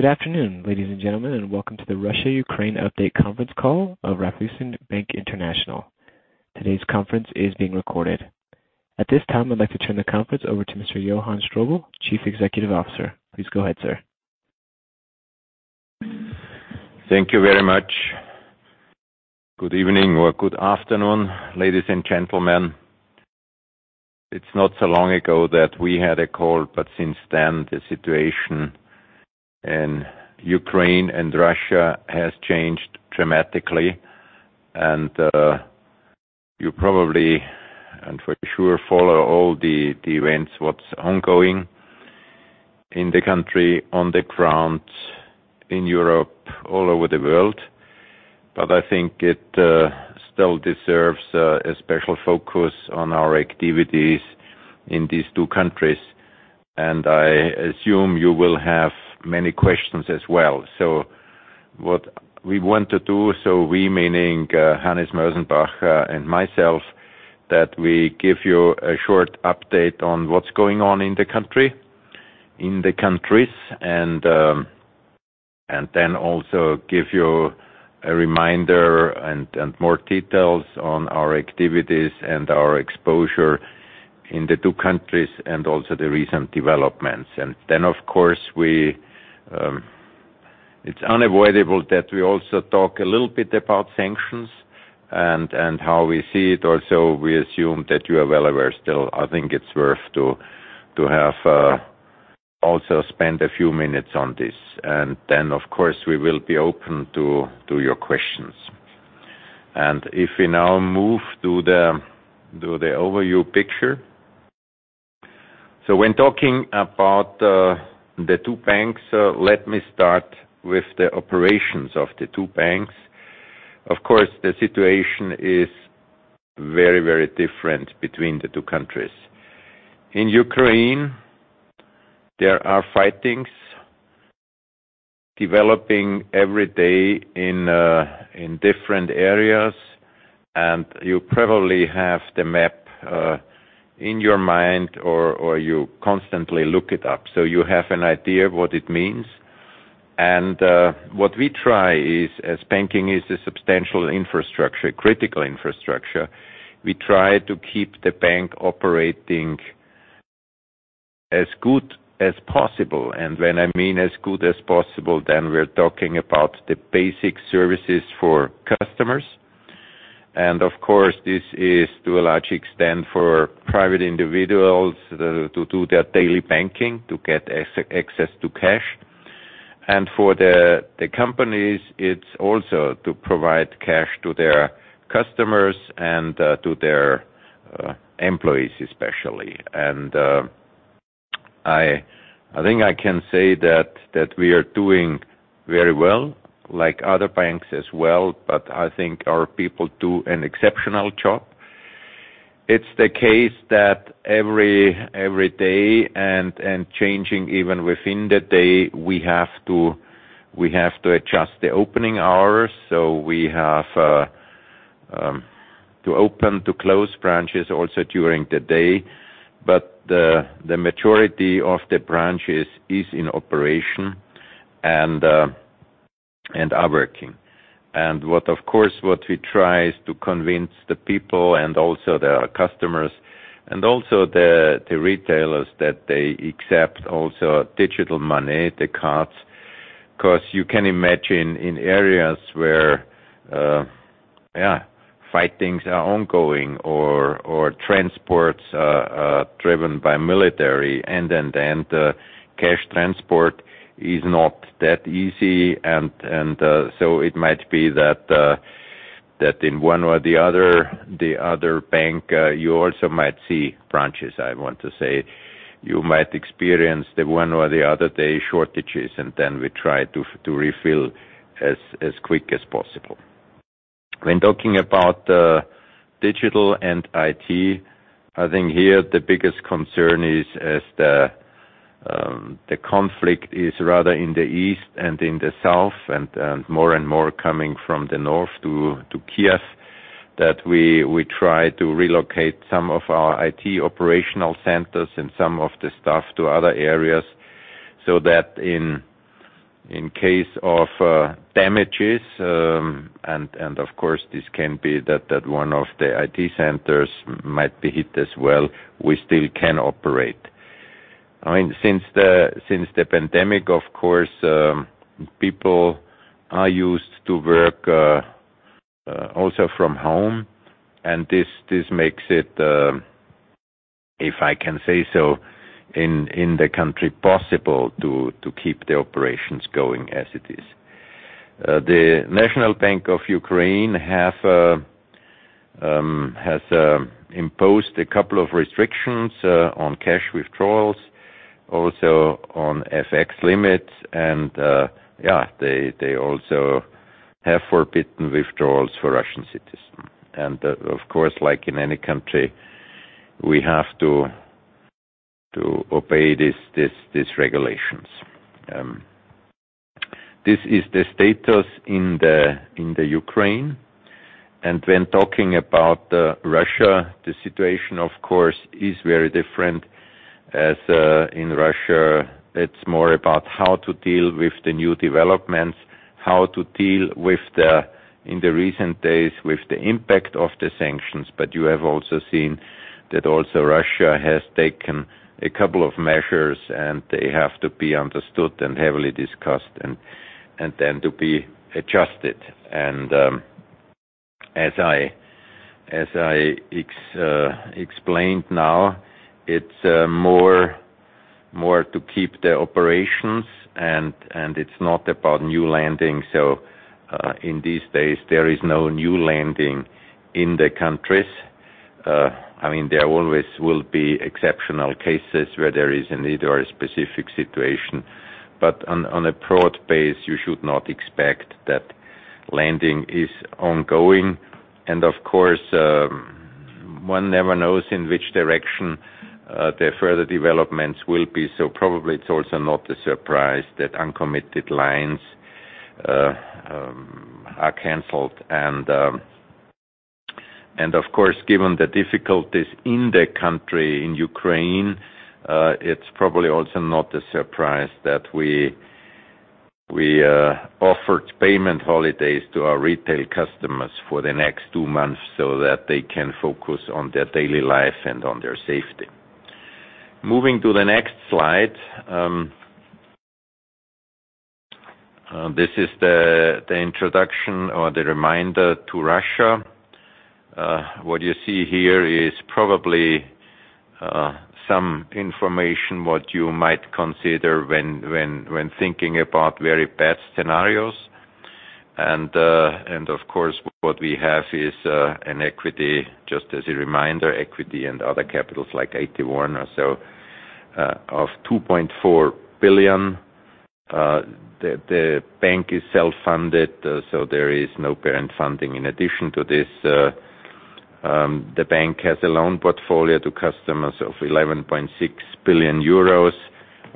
Good afternoon, ladies and gentlemen, and welcome to the Russia Ukraine update conference call of Raiffeisen Bank International. Today's conference is being recorded. At this time, I'd like to turn the conference over to Mr. Johann Strobl, Chief Executive Officer. Please go ahead, sir. Thank you very much. Good evening or good afternoon, ladies and gentlemen. It's not so long ago that we had a call, but since then the situation in Ukraine and Russia has changed dramatically. You probably, and for sure, follow all the events, what's ongoing in the country, on the ground, in Europe, all over the world. I think it still deserves a special focus on our activities in these two countries, and I assume you will have many questions as well. What we want to do, we meaning Hannes Mösenbacher and myself, that we give you a short update on what's going on in the country, in the countries. Then also give you a reminder and more details on our activities and our exposure in the two countries and also the recent developments. Then, of course, we. It's unavoidable that we also talk a little bit about sanctions and how we see it also. We assume that you are well aware still. I think it's worth to have also spend a few minutes on this. Then, of course, we will be open to your questions. If we now move to the overview picture. When talking about the two banks, let me start with the operations of the two banks. Of course, the situation is very, very different between the two countries. In Ukraine, there is fighting developing every day in different areas. You probably have the map in your mind or you constantly look it up, so you have an idea what it means. What we try is, as banking is a substantial infrastructure, critical infrastructure, we try to keep the bank operating as good as possible. When I mean as good as possible, then we're talking about the basic services for customers. Of course, this is to a large extent for private individuals to do their daily banking, to get access to cash. For the companies, it's also to provide cash to their customers and to their employees especially. I think I can say that we are doing very well, like other banks as well. But I think our people do an exceptional job. It's the case that every day and changing even within the day, we have to adjust the opening hours. We have to open and close branches also during the day. The majority of the branches is in operation and are working. What, of course, we try is to convince the people and also their customers and also the retailers that they accept also digital money, the cards. 'Cause you can imagine in areas where fighting is ongoing or transports are driven by military and then cash transport is not that easy and so it might be that in one or the other bank you also might see branches, I want to say. You might experience the one or the other day shortages, and then we try to refill as quick as possible. When talking about digital and IT, I think here the biggest concern is as the conflict is rather in the east and in the south and more and more coming from the north to Kiev, that we try to relocate some of our IT operational centers and some of the staff to other areas, so that in case of damages, and of course, this can be that one of the IT centers might be hit as well, we still can operate. I mean, since the pandemic, of course, people are used to work also from home. This makes it, if I can say so, in the country possible to keep the operations going as it is. The National Bank of Ukraine has imposed a couple of restrictions on cash withdrawals, also on FX limits. They also have forbidden withdrawals for Russian citizens. Of course, like in any country, we have to obey these regulations. This is the status in Ukraine. When talking about Russia, the situation, of course, is very different as in Russia it's more about how to deal with the new developments in the recent days with the impact of the sanctions. You have also seen that Russia has taken a couple of measures, and they have to be understood and heavily discussed and then to be adjusted. As I explained now, it's more to keep the operations and it's not about new lending. In these days, there is no new lending in the countries. I mean, there always will be exceptional cases where there is a need or a specific situation. On a broad base, you should not expect that lending is ongoing. Of course, one never knows in which direction the further developments will be. Probably it's also not a surprise that uncommitted lines are canceled. Of course, given the difficulties in the country, in Ukraine, it's probably also not a surprise that we offered payment holidays to our retail customers for the next two months so that they can focus on their daily life and on their safety. Moving to the next slide. This is the introduction or the reminder to Russia. What you see here is probably some information, what you might consider when thinking about very bad scenarios. Of course, what we have is an equity, just as a reminder, equity and other capitals, like AT1 or so, of 2.4 billion. The bank is self-funded, so there is no parent funding. In addition to this, the bank has a loan portfolio to customers of 11.6 billion euros,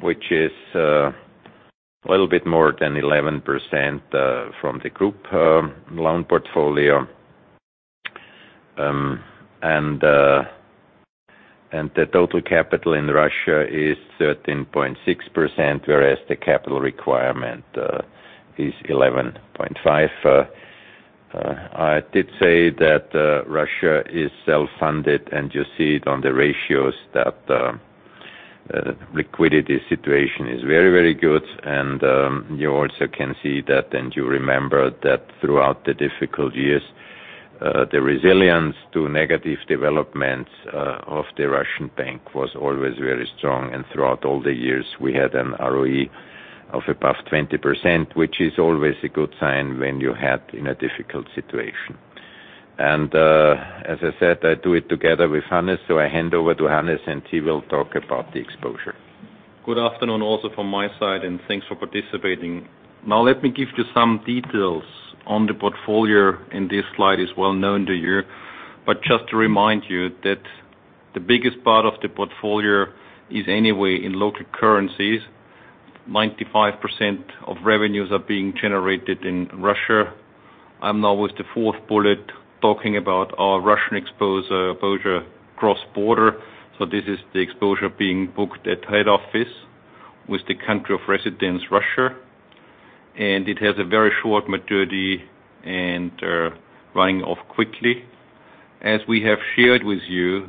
which is a little bit more than 11% from the group loan portfolio. The total capital in Russia is 13.6%, whereas the capital requirement is 11.5%. I did say that Russia is self-funded, and you see it on the ratios that liquidity situation is very, very good. You also can see that, and you remember that throughout the difficult years the resilience to negative developments of the Russian bank was always very strong. Throughout all the years, we had an ROE of above 20%, which is always a good sign when you're in a difficult situation. As I said, I do it together with Hannes, so I hand over to Hannes, and he will talk about the exposure. Good afternoon also from my side, and thanks for participating. Now, let me give you some details on the portfolio, and this slide is well-known to you. Just to remind you that the biggest part of the portfolio is anyway in local currencies.95% of revenues are being generated in Russia. I'm now with the fourth bullet talking about our Russian exposure cross-border. This is the exposure being booked at head office with the country of residence, Russia. It has a very short maturity and running off quickly. As we have shared with you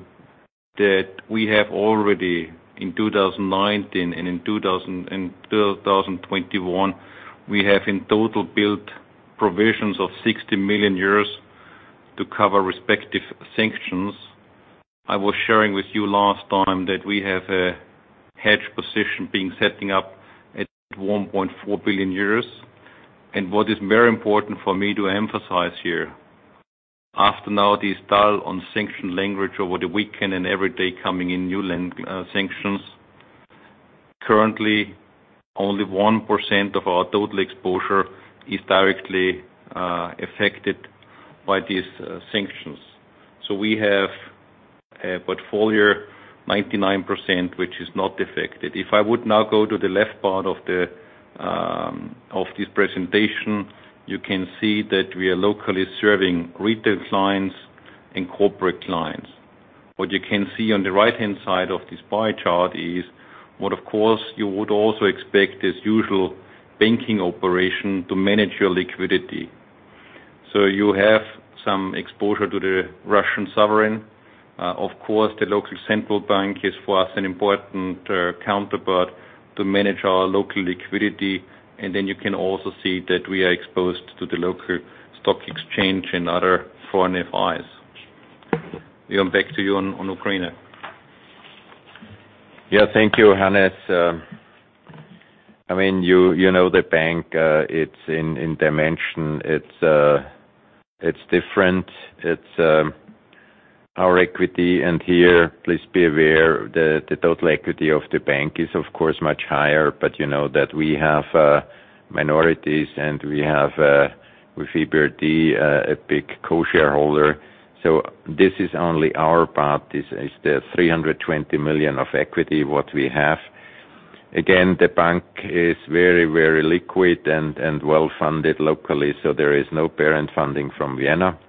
that we have already in 2019 and in 2021, we have in total built provisions of 60 million euros to cover respective sanctions. I was sharing with you last time that we have a hedge position being set up at 1.4 billion euros. What is very important for me to emphasize here, after now this detail on sanctions language over the weekend and every day coming in new sanctions, currently only 1% of our total exposure is directly affected by these sanctions. We have a portfolio 99%, which is not affected. If I would now go to the left part of the of this presentation, you can see that we are locally serving retail clients and corporate clients. What you can see on the right-hand side of this pie chart is what, of course, you would also expect as usual banking operation to manage your liquidity. You have some exposure to the Russian sovereign. Of course, the local central bank is, for us, an important counterpart to manage our local liquidity. You can also see that we are exposed to the local stock exchange and other foreign FIs. Johann, back to you on Ukraine. Thank you, Hannes. I mean, you know the bank, it's different in dimension. It's our equity. Here, please be aware the total equity of the bank is of course much higher. You know that we have minorities and we have with EBRD a big co-shareholder. This is only our part. This is the 320 million of equity, what we have. Again, the bank is very, very liquid and well-funded locally, so there is no parent funding from Vienna.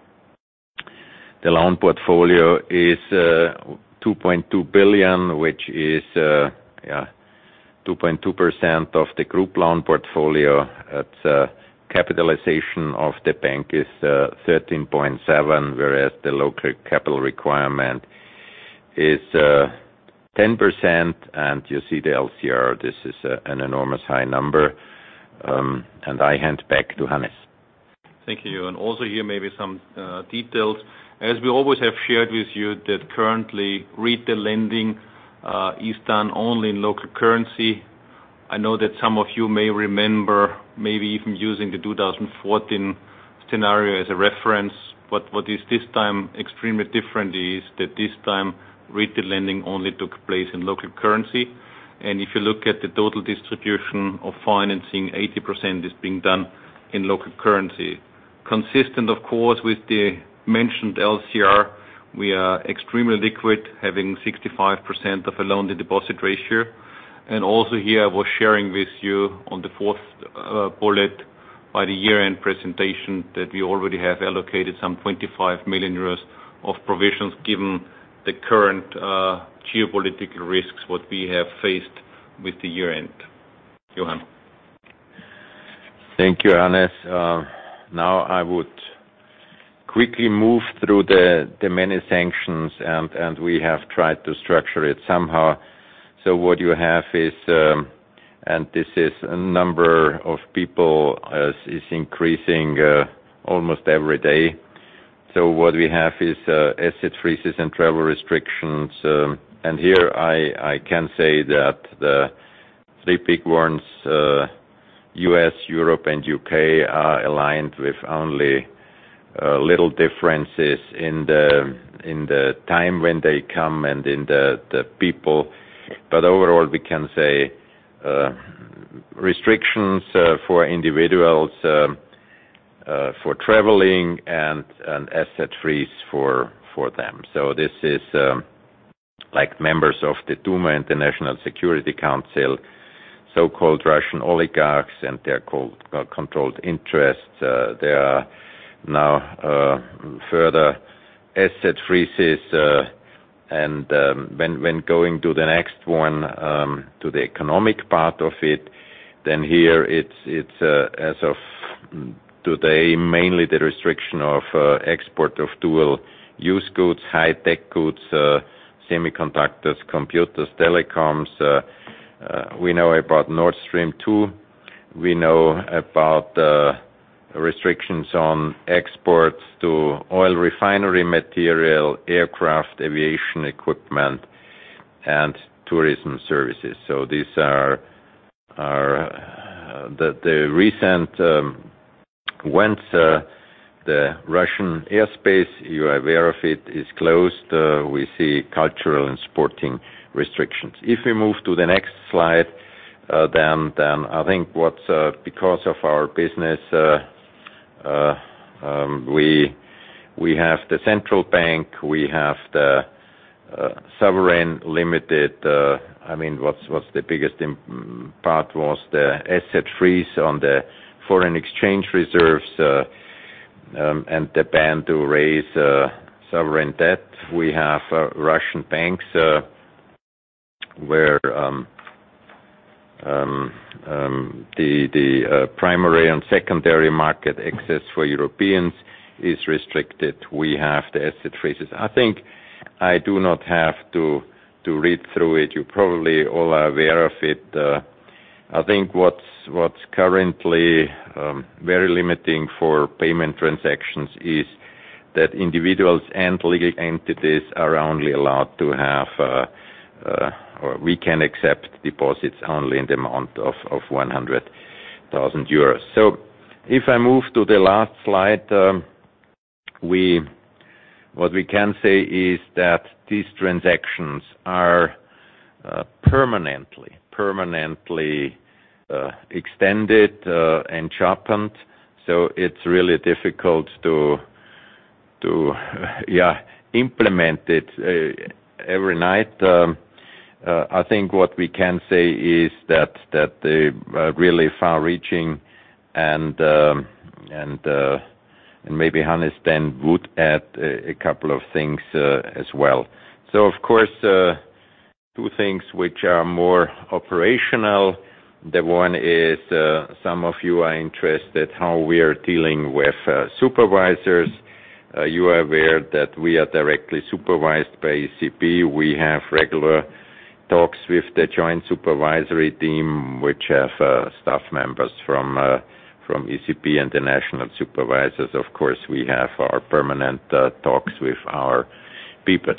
The loan portfolio is 2.2 billion, which is 2.2% of the group loan portfolio. Its capitalization of the bank is 13.7%, whereas the local capital requirement is 10%. You see the LCR, this is an enormous high number. I hand back to Hannes. Thank you. Also here, maybe some details. As we always have shared with you that currently, retail lending is done only in local currency. I know that some of you may remember maybe even using the 2014 scenario as a reference, but what is this time extremely different is that this time, retail lending only took place in local currency. If you look at the total distribution of financing, 80% is being done in local currency. Consistent, ofcourse, with the mentioned LCR, we are extremely liquid, having 65% of a loan-to-deposit ratio. Also here, I was sharing with you on the fourth bullet by the year-end presentation that we already have allocated some 25 million euros of provisions given the current geopolitical risks, what we have faced with the year-end. Johann. Thank you, Hannes. Now I would quickly move through the many sanctions, and we have tried to structure it somehow. What you have is this is a number of people is increasing almost every day. What we have is asset freezes and travel restrictions. Here I can say that the three big ones, U.S., Europe and U.K. are aligned with only little differences in the time when they come and in the people. Overall, we can say restrictions for individuals for traveling and an asset freeze for them. This is like members of the Duma International Security Council, so-called Russian oligarchs, and their controlled interests. There are now further asset freezes. When going to the next one, to the economic part of it, then here it's as of today, mainly the restriction of export of dual-use goods, high-tech goods, semiconductors, computers, telecoms. We know about Nord Stream 2. We know about restrictions on exports to oil refinery material, aircraft, aviation equipment, and tourism services. These are the recent ones. The Russian airspace, you are aware of it, is closed. We see cultural and sporting restrictions. If we move to the next slide, then I think what's important because of our business is that we have the central bank, we have the sovereign liquidity. I mean, the biggest impact was the asset freeze on the foreign exchange reserves and the ban to raise sovereign debt. We have Russian banks where the primary and secondary market access for Europeans is restricted. We have the asset freezes. I think I do not have to read through it. You probably all are aware of it. I think what's currently very limiting for payment transactions is that individuals and legal entities are only allowed to have or we can accept deposits only in the amount of 100,000 euros. If I move to the last slide, what we can say is that these transactions are permanently extended and sharpened, so it's really difficult to implement it every night. I think what we can say is that they really far-reaching and maybe Hannes then would add a couple of things as well. Of course, two things which are more operational. The one is, some of you are interested how we are dealing with supervisors. You are aware that we are directly supervised by ECB. We have regular talks with the joint supervisory team, which have staff members from ECB and the national supervisors. Of course, we have our permanent talks with our people.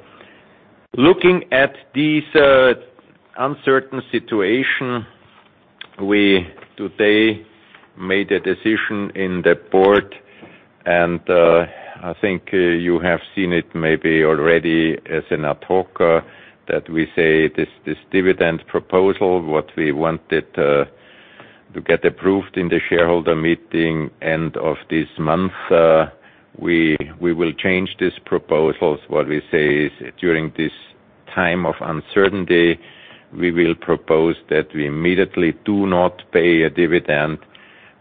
Looking at this uncertain situation, we today made a decision in the board, and I think you have seen it maybe already as an ad hoc that we say this dividend proposal, what we wanted. To get approved in the shareholder meeting end of this month, we will change these proposals. What we say is during this time of uncertainty, we will propose that we immediately do not pay a dividend,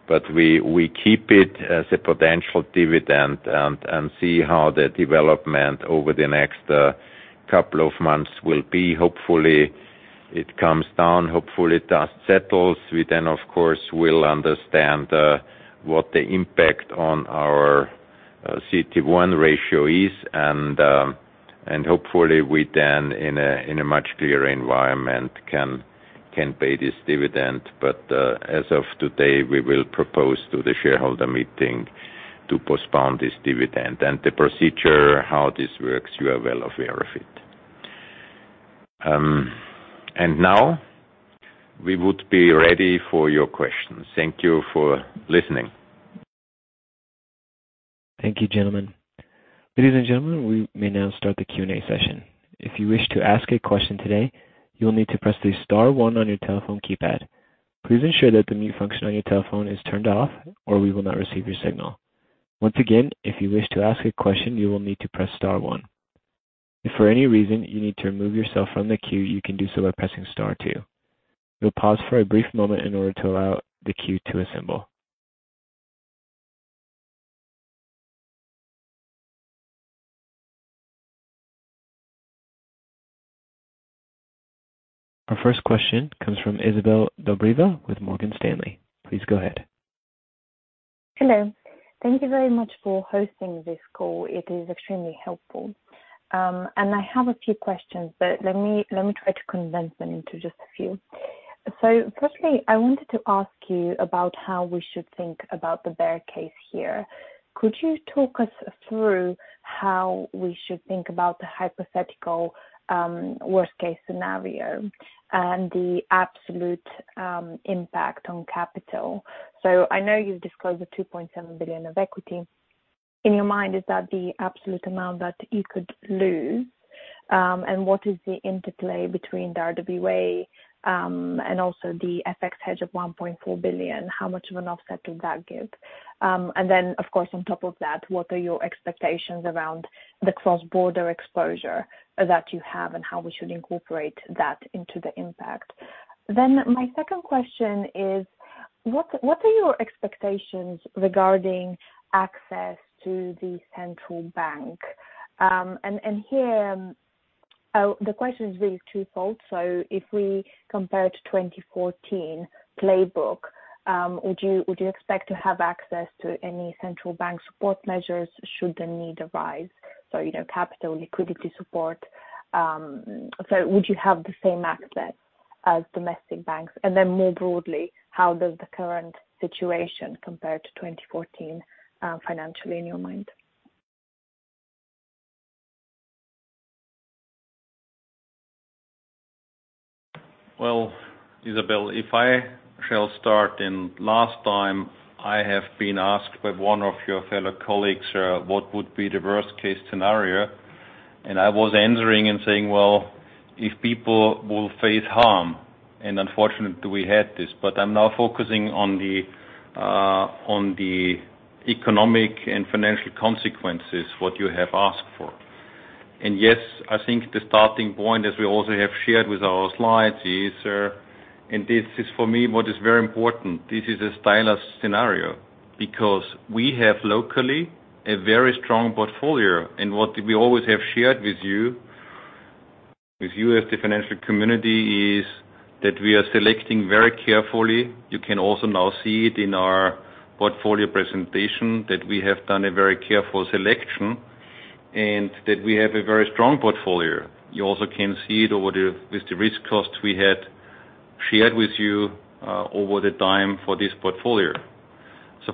but we keep it as a potential dividend and see how the development over the next couple of months will be. Hopefully, it comes down. Hopefully, dust settles. We then of course will understand what the impact on our CET1 ratio is and hopefully we then in a much clearer environment can pay this dividend. As of today, we will propose to the shareholder meeting to postpone this dividend. The procedure how this works, you are well aware of it. Now we would be ready for your questions. Thank you for listening. Thank you, gentlemen. Ladies and gentlemen, we may now start the Q&A session. If you wish to ask a question today, you will need to press the star one on your telephone keypad. Please ensure that the mute function on your telephone is turned off, or we will not receive your signal. Once again, if you wish to ask a question, you will need to Press Star 1. If for any reason you need to remove yourself from the queue, you can do so by Pressing Star 2. We'll pause for a brief moment in order to allow the queue to assemble. Our first question comes from Izabel Dobreva with Morgan Stanley. Please go ahead. Hello. Thank you very much for hosting this call. It is extremely helpful. I have a few questions, but let me try to condense them into just a few. Firstly, I wanted to ask you about how we should think about the bear case here. Could you talk us through how we should think about the hypothetical worst case scenario and the absolute impact on capital? I know you've disclosed the 2.7 billion of equity. In your mind, is that the absolute amount that you could lose? What is the interplay between the RWA and also the FX hedge of 1.4 billion? How much of an offset does that give? Of course, on top of that, what are your expectations around the cross-border exposure that you have and how we should incorporate that into the impact? My second question is, what are your expectations regarding access to the central bank? Here, the question is really twofold. If we compare to 2014 playbook, would you expect to have access to any central bank support measures should the need arise? You know, capital liquidity support. Would you have the same access as domestic banks? More broadly, how does the current situation compare to 2014, financially in your mind? Well, Izabel, if I shall start. Last time, I have been asked by one of your fellow colleagues what would be the worst case scenario? I was answering and saying, "Well, if people will face harm," and unfortunately we had this, but I'm now focusing on the economic and financial consequences, what you have asked for. Yes, I think the starting point, as we also have shared with our slides is, and this is for me what is very important. This is a stylized scenario because we have locally a very strong portfolio. What we always have shared with you, with you as the financial community is that we are selecting very carefully. You can also now see it in our portfolio presentation that we have done a very careful selection and that we have a very strong portfolio. You also can see it over with the risk costs we had shared with you over time for this portfolio.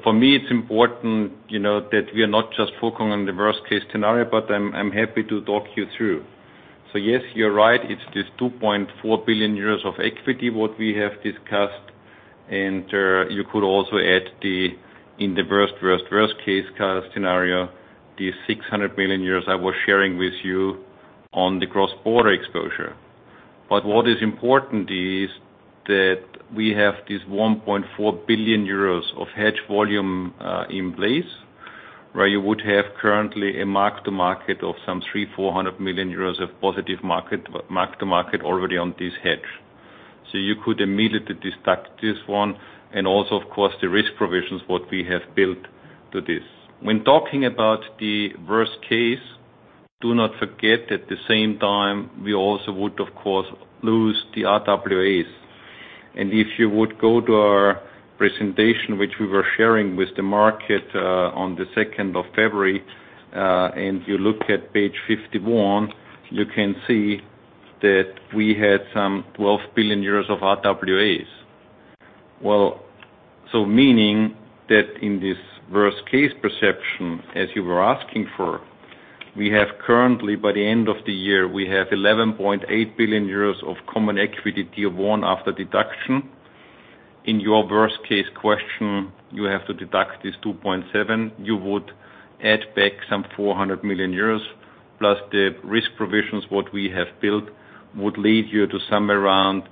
For me it's important, you know, that we are not just focusing on the worst case scenario, but I'm happy to talk you through. Yes, you're right. It's this 2.4 billion euros of equity, what we have discussed. You could also add in the worst case scenario, the 600 million euros I was sharing with you on the cross-border exposure. What is important is that we have this 1.4 billion euros of hedge volume in place. Where you would have currently a mark to market of some 300 million-400 million euros of positive mark to market already on this hedge. You could immediately deduct this one and also of course the risk provisions, what we have built to this. When talking about the worst case, do not forget at the same time we also would of course lose the RWAs. If you would go to our presentation, which we were sharing with the market, on the second of February, and you look at page 51, you can see that we had some 12 billion euros of RWAs. Meaning that in this worst-case perception, as you were asking for, we have currently, by the end of the year, 11.8 billion euros of Common Equity Tier 1 after deduction. In your worst case question, you have to deduct this 2.7. You would add back some 400 million euros plus the risk provisions, what we have built would lead you to somewhere around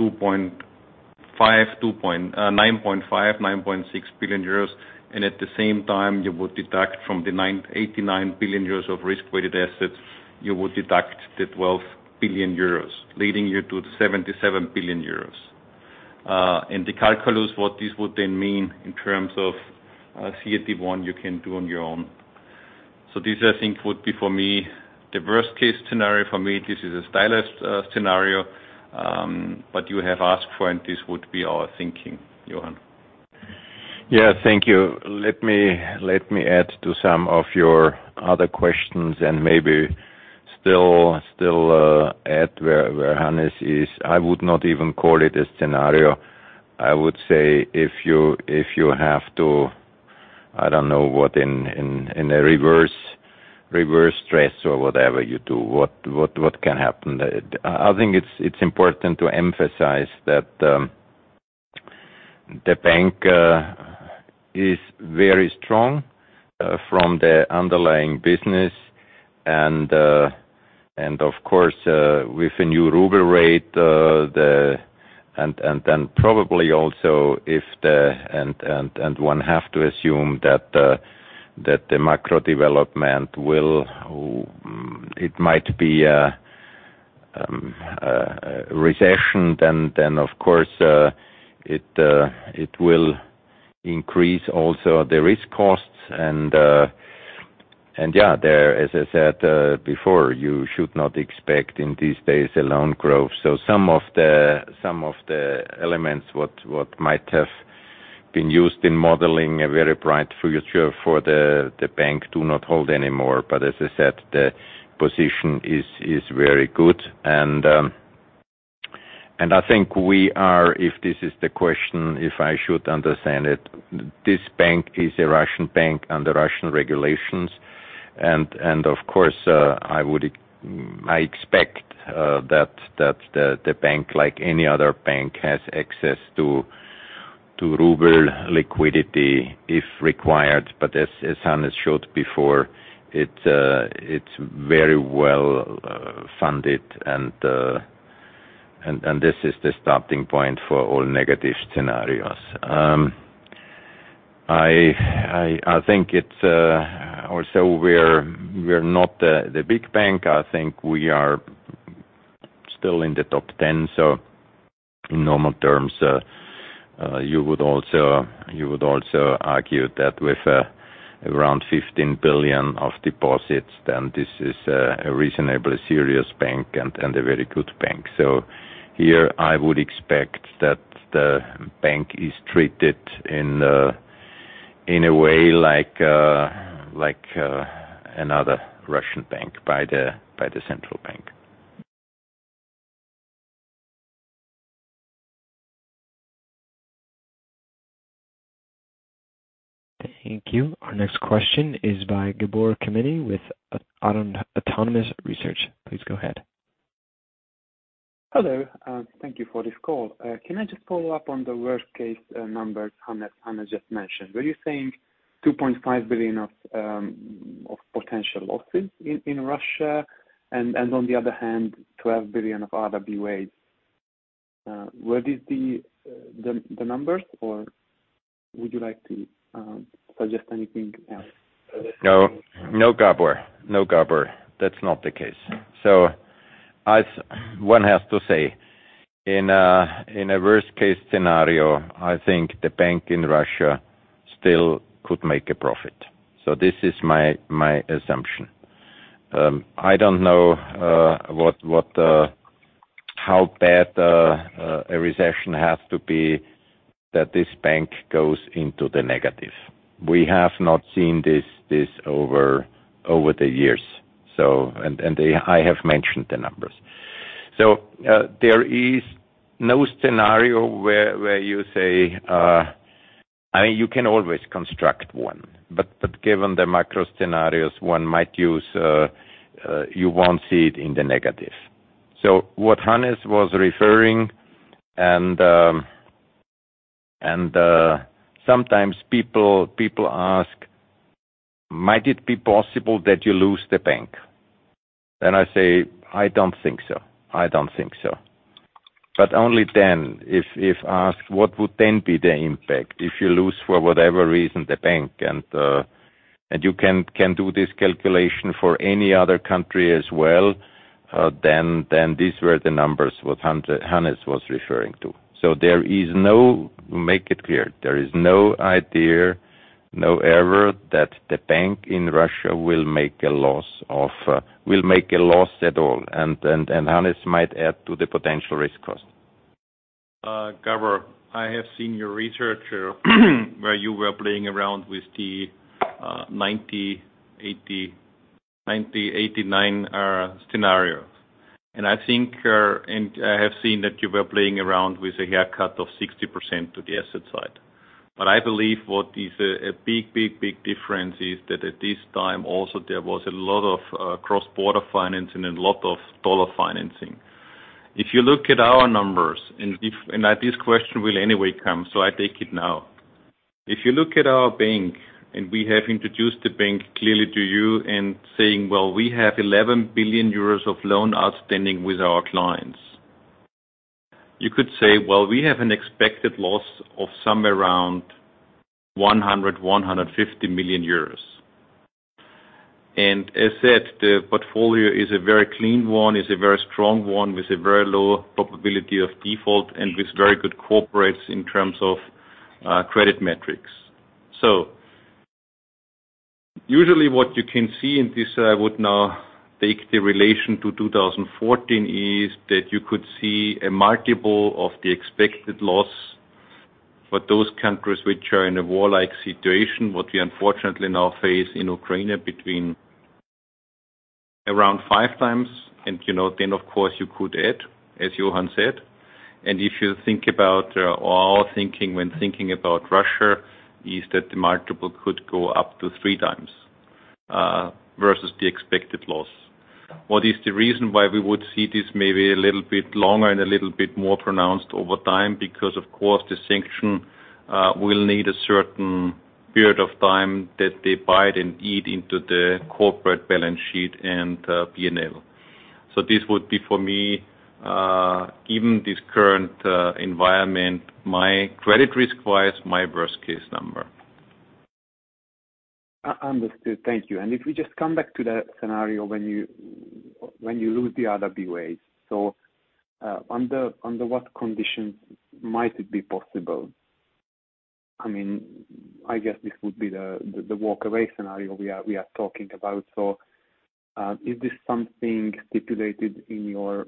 9.5-9.6 billion euros. At the same time, you would deduct from the 89 billion euros of risk-weighted assets, you would deduct the 12 billion euros, leading you to the 77 billion euros. The calculus, what this would then mean in terms of CET1, you can do on your own. This, I think, would be for me, the worst-case scenario. For me, this is a stylized scenario, but you have asked for, and this would be our thinking, Johann. Yeah, thank you. Let me add to some of your other questions and maybe still add where Hannes is. I would not even call it a scenario. I would say if you have to, I don't know what in a reverse stress or whatever you do, what can happen? I think it's important to emphasize that the bank is very strong from the underlying business and of course with a new ruble rate, the. Then probably also if one have to assume that the macro development will be a recession, then of course it will increase also the risk costs and yeah, there, as I said, before, you should not expect in these days a loan growth. Some of the elements what might have been used in modeling a very bright future for the bank do not hold anymore. As I said, the position is very good. I think we are, if this is the question, if I should understand it, this bank is a Russian bank under Russian regulations. I expect that the bank, like any other bank, has access to ruble liquidity if required. As Hannes showed before, it's very well funded and this is the starting point for all negative scenarios. I think it's also we're not the big bank. I think we are still in the top 10. In normal terms, you would also argue that with around 15 billion of deposits, then this is a reasonably serious bank and a very good bank. Here I would expect that the bank is treated in a way like another Russian bank by the central bank. Thank you. Our next question is by Gabor Kemeny with Autonomous Research. Please go ahead. Hello, thank you for this call. Can I just follow up on the worst-case numbers Hannes just mentioned? Were you saying 2.5 billion of potential losses in Russia and on the other hand, 12 billion of RWA? Where is the numbers or would you like to suggest anything else? No, Gabor. That's not the case. As one has to say, in a worst-case scenario, I think the bank in Russia still could make a profit. This is my assumption. I don't know how bad a recession has to be that this bank goes into the negative. We have not seen this over the years. I have mentioned the numbers. There is no scenario where you say I mean, you can always construct one, but given the macro scenarios one might use, you won't see it in the negative. What Hannes was referring and sometimes people ask, "Might it be possible that you lose the bank?" Then I say, "I don't think so. I don't think so. Only then, if asked what would then be the impact if you lose, for whatever reason, the bank, and you can do this calculation for any other country as well, then these were the numbers what Hannes was referring to. There is no idea, no error that the bank in Russia will make a loss, will make a loss at all. Hannes might add to the potential risk cost. Gabor, I have seen your research where you were playing around with the 1989 scenario. I think, I have seen that you were playing around with a haircut of 60% to the asset side. I believe what is a big difference is that at this time also there was a lot of cross-border financing and a lot of dollar financing. If you look at our numbers, and at this question will anyway come, so I take it now If you look at our bank, and we have introduced the bank clearly to you and saying, well, we have 11 billion euros of loan outstanding with our clients. You could say, well, we have an expected loss of somewhere around 100-150 million euros. As said, the portfolio is a very clean one, is a very strong one with a very low probability of default and with very good corporates in terms of credit metrics. Usually what you can see in this, I would now take the relation to 2014, is that you could see a multiple of the expected loss for those countries which are in a war-like situation, what we unfortunately now face in Ukraine between around five times. You know, then of course, you could add, as Johann said, and if you think about Russia, is that the multiple could go up to three times versus the expected loss. What is the reason why we would see this maybe a little bit longer and a little bit more pronounced over time? Because of course, the sanction will need a certain period of time that they bite and eat into the corporate balance sheet and P&L. So this would be for me, given this current environment, my credit risk-wise, my worst-case number. Understood. Thank you. If we just come back to that scenario when you lose the RWA. Under what conditions might it be possible? I mean, I guess this would be the walk away scenario we are talking about. Is this something stipulated in your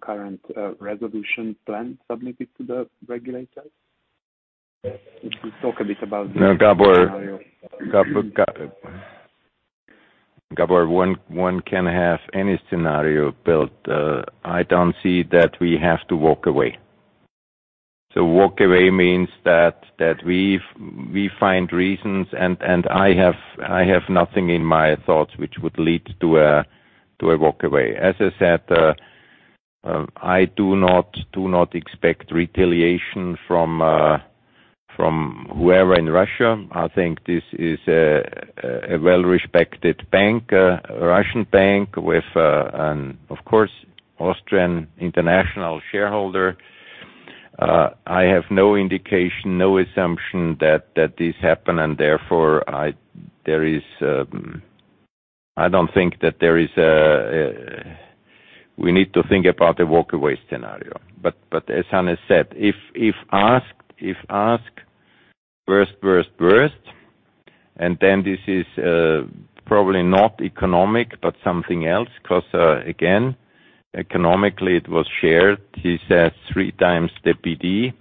current resolution plan submitted to the regulators? If you talk a bit about this scenario. No, Gabor, one can have any scenario built. I don't see that we have to walk away. Walk away means that we find reasons, and I have nothing in my thoughts which would lead to a walk away. As I said, I do not expect retaliation from whoever in Russia. I think this is a well-respected bank, Russian bank with an, of course, Austrian international shareholder. I have no indication, no assumption that this happened and therefore there is. I don't think that there is a. We need to think about the walk away scenario. As Hannes said, if asked worst, and then this is probably not economic, but something else, 'cause again, economically it was shared. He said 3 times the PD.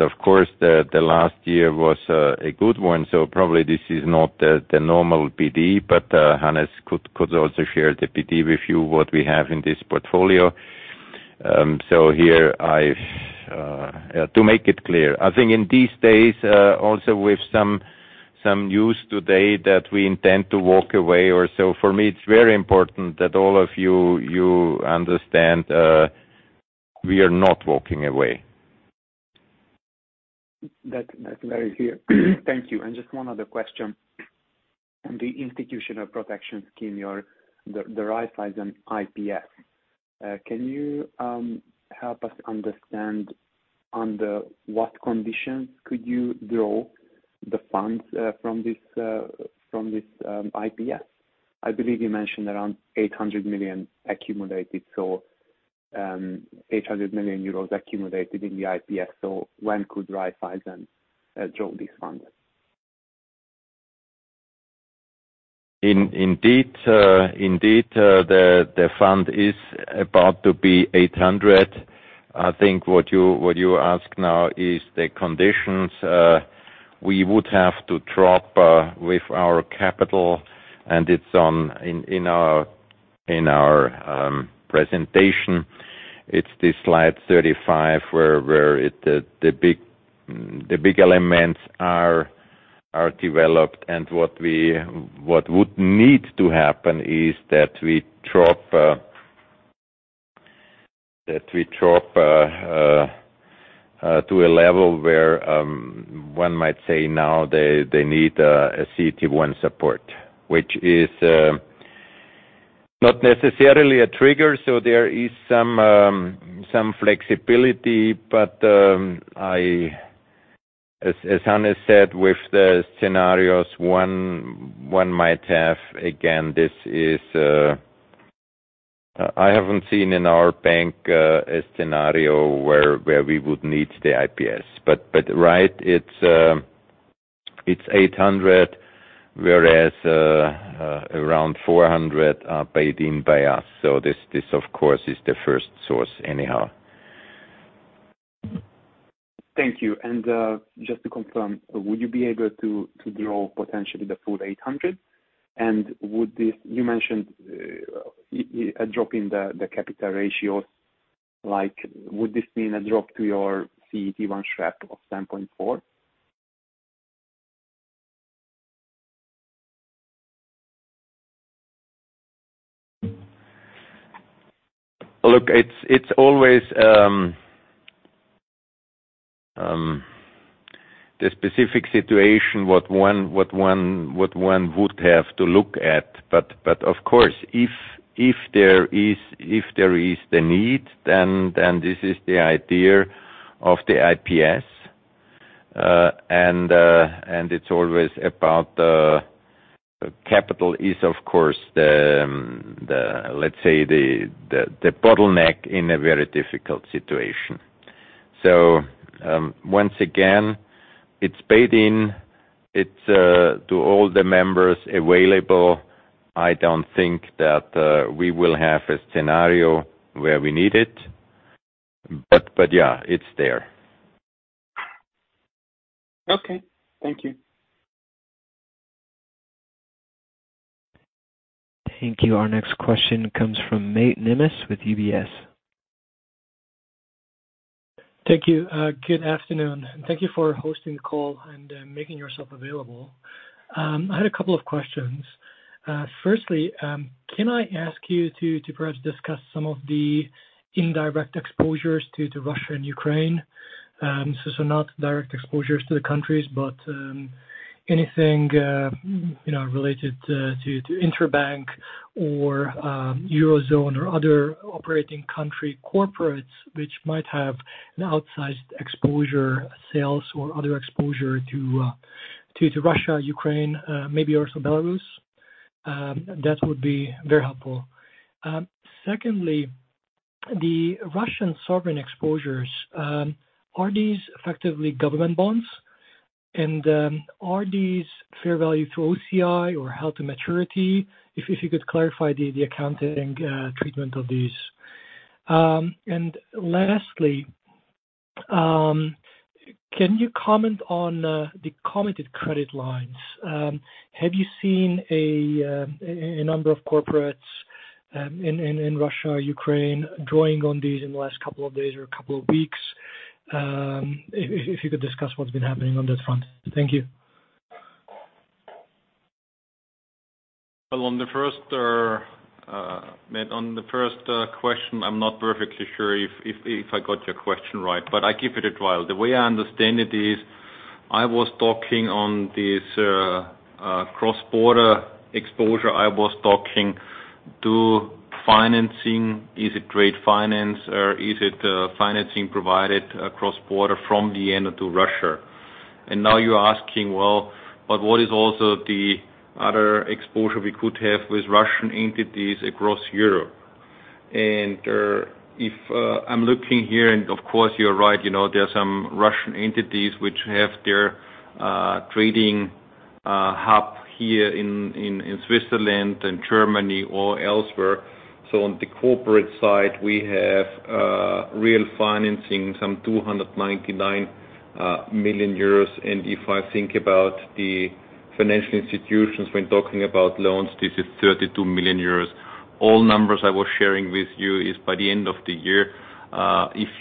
Of course, the last year was a good one. Probably this is not the normal PD, but Hannes could also share the PD with you, what we have in this portfolio. To make it clear,I think in these days, also with some news today that we intend to walk away or so, for me it's very important that all of you understand, we are not walking away. That's very clear. Thank you. Just one other question. On the Institutional Protection Scheme, the Raiffeisen IPS. Can you help us understand under what conditions could you draw the funds from this IPS? I believe you mentioned around 800 million accumulated, so 800 million euros accumulated in the IPS. When could Raiffeisen draw these funds? Indeed, the fund is about to be 800. I think what you ask now is the conditions. We would have to drop with our capital, and it's in our presentation. It's the slide 35 where the big elements are developed. What would need to happen is that we drop to a level where one might say now they need a CET1 support. Which is not necessarily a trigger, so there is some flexibility. As Hannes said, with the scenarios one might have, again, I haven't seen in our bank a scenario where we would need the IPS. Right, it's 800, whereas around 400 are paid in by us. This of course is the first source anyhow. Thank you. Just to confirm, would you be able to draw potentially the full 800? You mentioned a drop in the capital ratios. Like, would this mean a drop to your CET1 ratio of 10.4%? Look, it's always the specific situation that one would have to look at. Of course, if there is the need, then this is the idea of the IPS. It's always about the capital, is of course the, let's say, bottleneck in a very difficult situation. Once again, it's available to all the members. I don't think that we will have a scenario where we need it. Yeah, it's there. Okay. Thank you. Thank you. Our next question comes from Máté Nemes with UBS. Thank you. Good afternoon, and thank you for hosting the call and making yourself available. I had a couple of questions. Firstly, can I ask you to perhaps discuss some of the indirect exposures to Russia and Ukraine? So, not direct exposures to the countries, but anything you know related to interbank or Eurozone or other operating country corporates which might have an outsized exposure, sales or other exposure to Russia, Ukraine, maybe also Belarus. That would be very helpful. Secondly, the Russian sovereign exposures, are these effectively government bonds? And, are these fair value to OCI or held to maturity? If you could clarify the accounting treatment of these. Lastly, can you comment on the committed credit lines? Have you seen a number of corporates in Russia or Ukraine drawing on these in the last couple of days or couple of weeks? If you could discuss what's been happening on that front. Thank you. Well, on the first, Máté, question, I'm not perfectly sure if I got your question right, but I give it a try. The way I understand it is I was talking about this cross-border exposure. I was talking about financing, is it trade finance or is it financing provided across border from Vienna to Russia? Now you're asking, well, but what is also the other exposure we could have with Russian entities across Europe? If I'm looking here, and of course you're right, you know, there are some Russian entities which have their trading hub here in Switzerland and Germany or elsewhere. On the corporate side, we have real financing, some 299 million euros. If I think about the financial institutions, we're talking about loans, this is 32 million euros. All numbers I was sharing with you is by the end of the year. If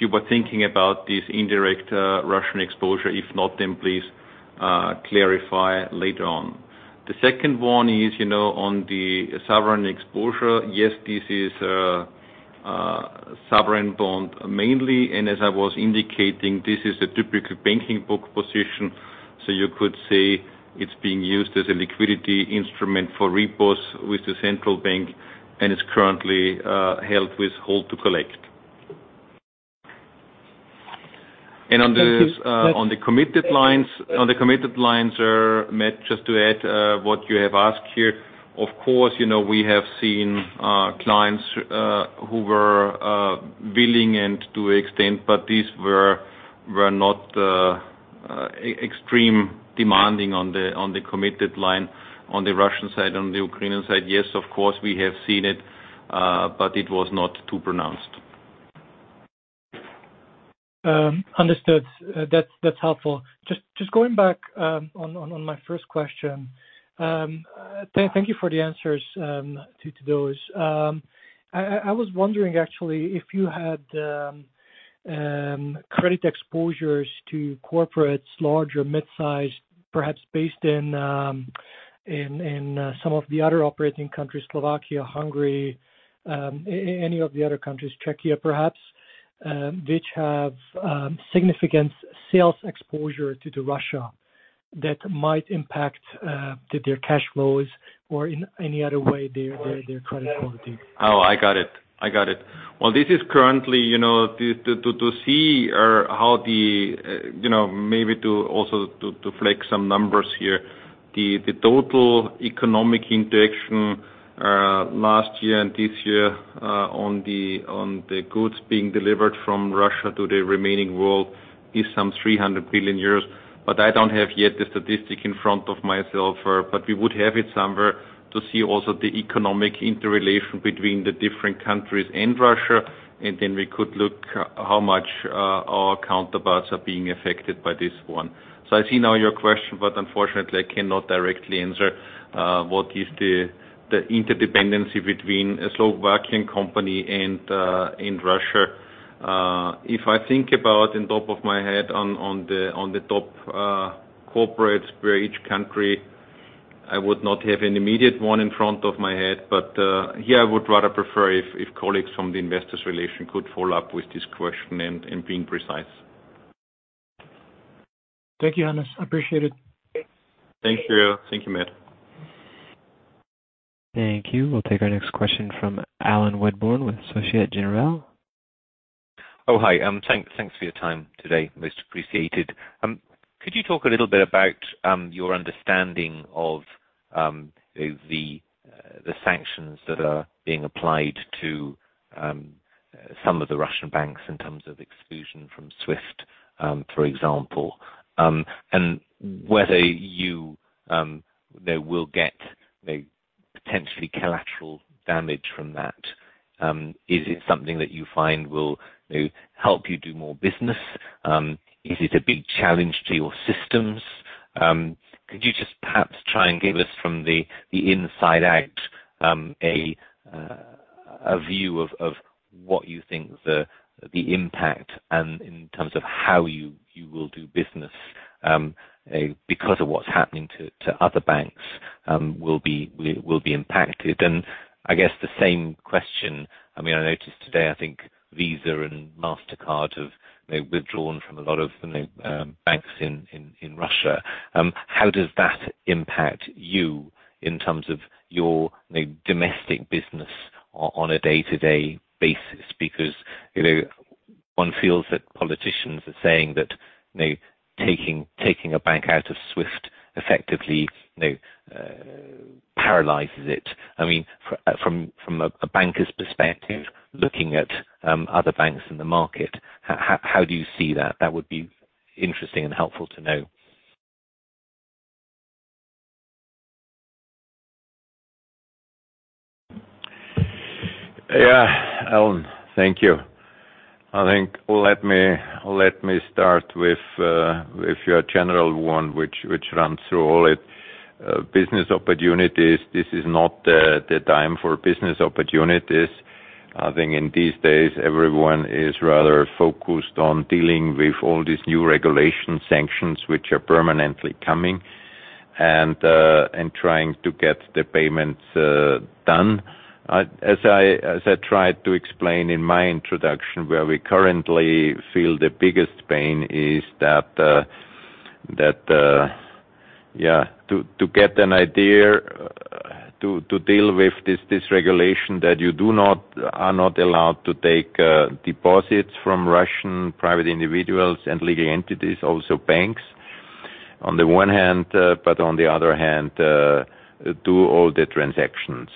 you were thinking about this indirect Russian exposure, if not, then please clarify later on. The second one is, you know, on the sovereign exposure. Yes, this is sovereign bond mainly. As I was indicating, this is a typical banking book position. You could say it's being used as a liquidity instrument for repos with the central bank, and it's currently held to collect. Thank you. On the committed lines, Máté, just to add what you have asked here, of course, you know, we have seen clients who were willing to extend, but these were not extremely demanding on the committed line on the Russian side, on the Ukrainian side. Yes, of course, we have seen it, but it was not too pronounced. Understood. That's helpful. Just going back on my first question, thank you for the answers to those. I was wondering actually if you had credit exposures to corporates, large or mid-sized, perhaps based in some of the other operating countries, Slovakia, Hungary, any of the other countries, Czechia perhaps, which have significant sales exposure to Russia that might impact their cash flows or in any other way their credit quality. Oh, I got it. Well, this is currently, you know, to see how the, you know, maybe to also check some numbers here. The total economic interaction last year and this year on the goods being delivered from Russia to the remaining world is some 300 billion. I don't have yet the statistic in front of myself, but we would have it somewhere to see also the economic interrelation between the different countries and Russia. Then we could look how much our counterparts are being affected by this one. I see now your question, but unfortunately, I cannot directly answer what is the interdependency between a Slovakian company and in Russia. If I think about off the top of my head, the top corporates where each country I would not have an immediate one off the top of my head, but here I would rather prefer if colleagues from Investor Relations could follow up with this question and being precise. Thank you, Hannes. I appreciate it. Thank you. Thank you, Máté. Thank you. We'll take our next question from Alan Sherburne with Société Générale. Thanks for your time today. Most appreciated. Could you talk a little bit about your understanding of the sanctions that are being applied to some of the Russian banks in terms of exclusion from SWIFT, for example, and whether you they will get a potentially collateral damage from that. Is it something that you find will help you do more business? Is it a big challenge to your systems? Could you just perhaps try and give us from the inside out a view of what you think the impact and in terms of how you will do business because of what's happening to other banks will be impacted. I guess the same question. I mean, I noticed today, I think Visa and Mastercard have withdrawn from a lot of banks in Russia. How does that impact you in terms of your domestic business on a day-to-day basis? Because you know, one feels that politicians are saying that you know, taking a bank out of SWIFT effectively you know, paralyzes it. I mean, from a banker's perspective, looking at other banks in the market, how do you see that? That would be interesting and helpful to know. Yeah, Alan. Thank you. I think let me start with your general one which runs through all of it. Business opportunities, this is not the time for business opportunities. I think in these days, everyone is rather focused on dealing with all these new regulatory sanctions, which are permanently coming, and trying to get the payments done. As I tried to explain in my introduction, where we currently feel the biggest pain is that yeah, to get an idea to deal with this regulation that you are not allowed to take deposits from Russian private individuals and legal entities, also banks on the one hand, but on the other hand, do all the transactions.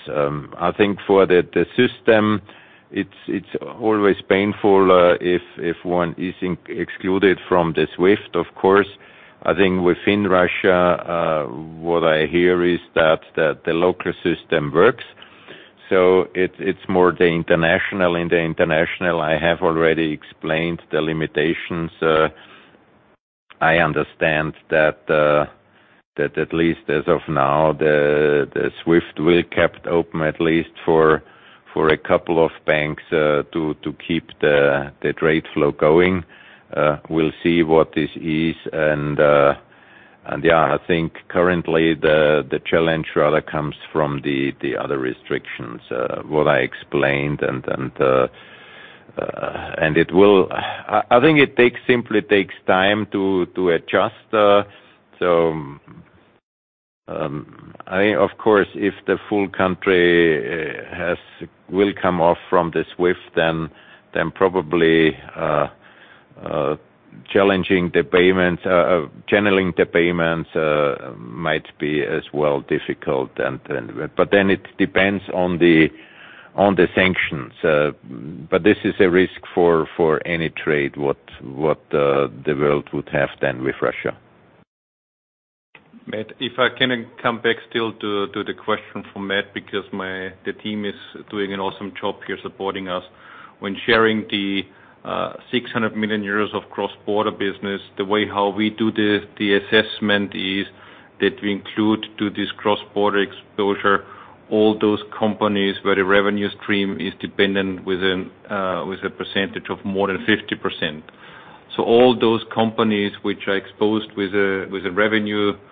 I think for the system, it's always painful if one is excluded from the SWIFT, of course. I think within Russia, what I hear is that the local system works. It's more the international. In the international, I have already explained the limitations. I understand that at least as of now, the SWIFT will be kept open at least for a couple of banks to keep the trade flow going. We'll see what this is. Yeah, I think currently the challenge rather comes from the other restrictions what I explained. I think it simply takes time to adjust. I of course, if the full country will come off from the SWIFT then, probably challenging the payments, channeling the payments might be as well difficult. It depends on the sanctions. This is a risk for any trade that the world would have then with Russia. Máté, if I can come back still to the question from Máté, because the team is doing an awesome job here supporting us. When sharing the 600 million euros of cross-border business, the way how we do the assessment is that we include to this cross-border exposure all those companies where the revenue stream is dependent on with a percentage of more than 50%. All those companies which are exposed with a revenue stream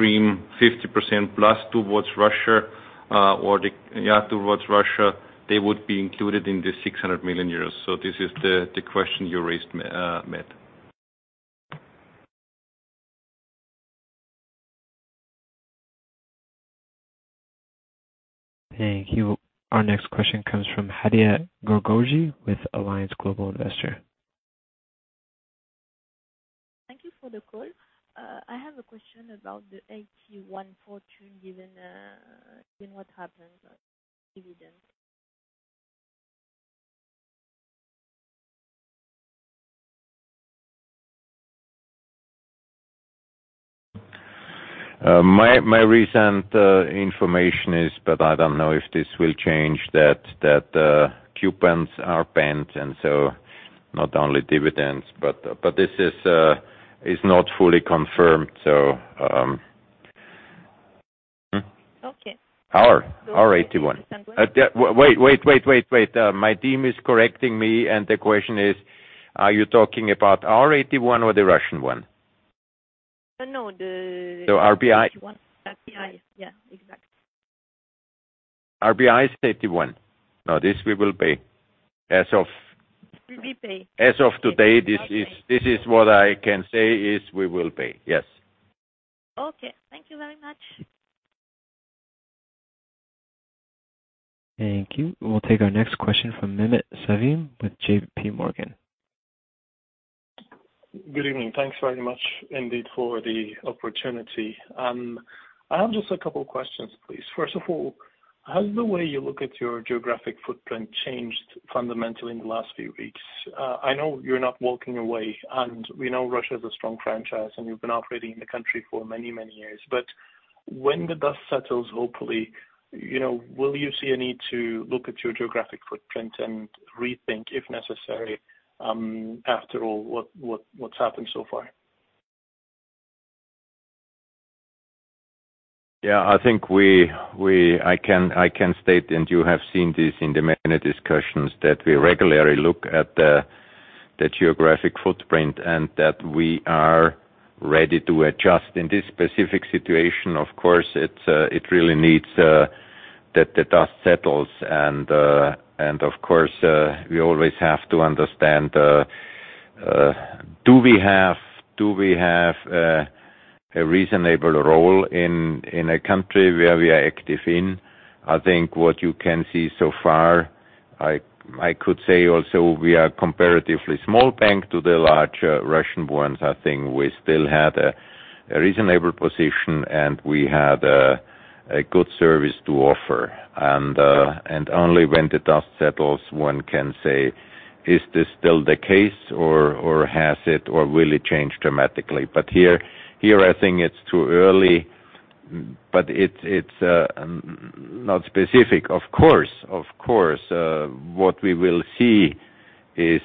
50% plus towards Russia, they would be included in the 600 million euros. This is the question you raised, Máté. Thank you. Our next question comes from Hadia Hachard with Allianz Global Investors. Thank you for the call. I have a question about the AT1 4.2 given what happened on dividend. My recent information is, but I don't know if this will change, that coupons are banned and so not only dividends, but this is not fully confirmed. Okay. Our AT1. Yeah, wait. My team is correcting me and the question is, are you talking about our AT1 or the Russian one? No, theee- The RBI. 31. RBI, yeah. Exactly. RBI is 31. Now, this we will pay as of Will be paid. As of today, this is what I can say is we will pay. Yes. Okay. Thank you very much. Thank you. We'll take our next question from Mehmet Sevim with JP Morgan. Good evening. Thanks very much indeed for the opportunity. I have just a couple of questions, please. First of all, has the way you look at your geographic footprint changed fundamentally in the last few weeks? I know you're not walking away, and we know Russia has a strong franchise, and you've been operating in the country for many, many years. When the dust settles, hopefully, you know, will you see a need to look at your geographic footprint and rethink, if necessary, after all, what's happened so far? Yeah. I think I can state, and you have seen this in the many discussions, that we regularly look at the geographic footprint and that we are ready to adjust. In this specific situation, of course, it really needs that the dust settles. Of course, we always have to understand do we have a reasonable role in a country where we are active in? I think what you can see so far, I could say also we are comparatively small bank to the larger Russian ones. I think we still had a reasonable position, and we had a good service to offer. Only when the dust settles, one can say, is this still the case or has it or will it change dramatically? I think it's too early here, but it's not specific. Of course, what we will see is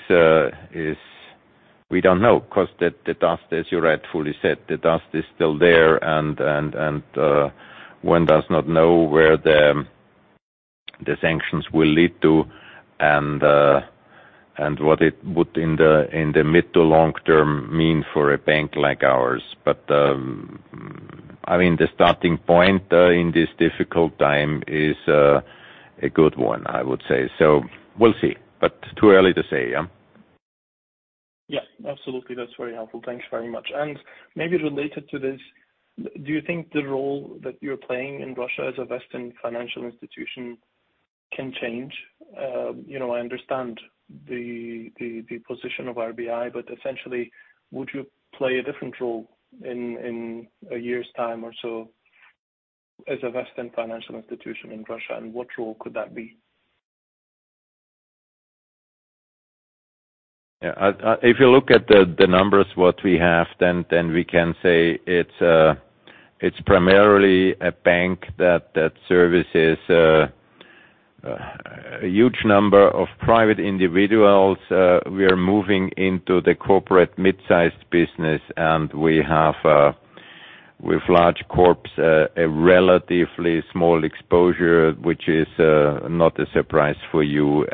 we don't know 'cause the dust, as you rightfully said, the dust is still there and one does not know where the sanctions will lead to and what it would in the mid to long term mean for a bank like ours. I mean, the starting point in this difficult time is a good one, I would say. We'll see, but too early to say. Yeah. Yeah. Absolutely. That's very helpful. Thanks very much. Maybe related to this, do you think the role that you're playing in Russia as a Western financial institution can change? You know, I understand the position of RBI, but essentially, would you play a different role in a year's time or so as a Western financial institution in Russia, and what role could that be? Yeah. If you look at the numbers what we have, then we can say it's primarily a bank that services a huge number of private individuals. We are moving into the corporate mid-sized business, and we have with large corps a relatively small exposure, which is not a surprise for you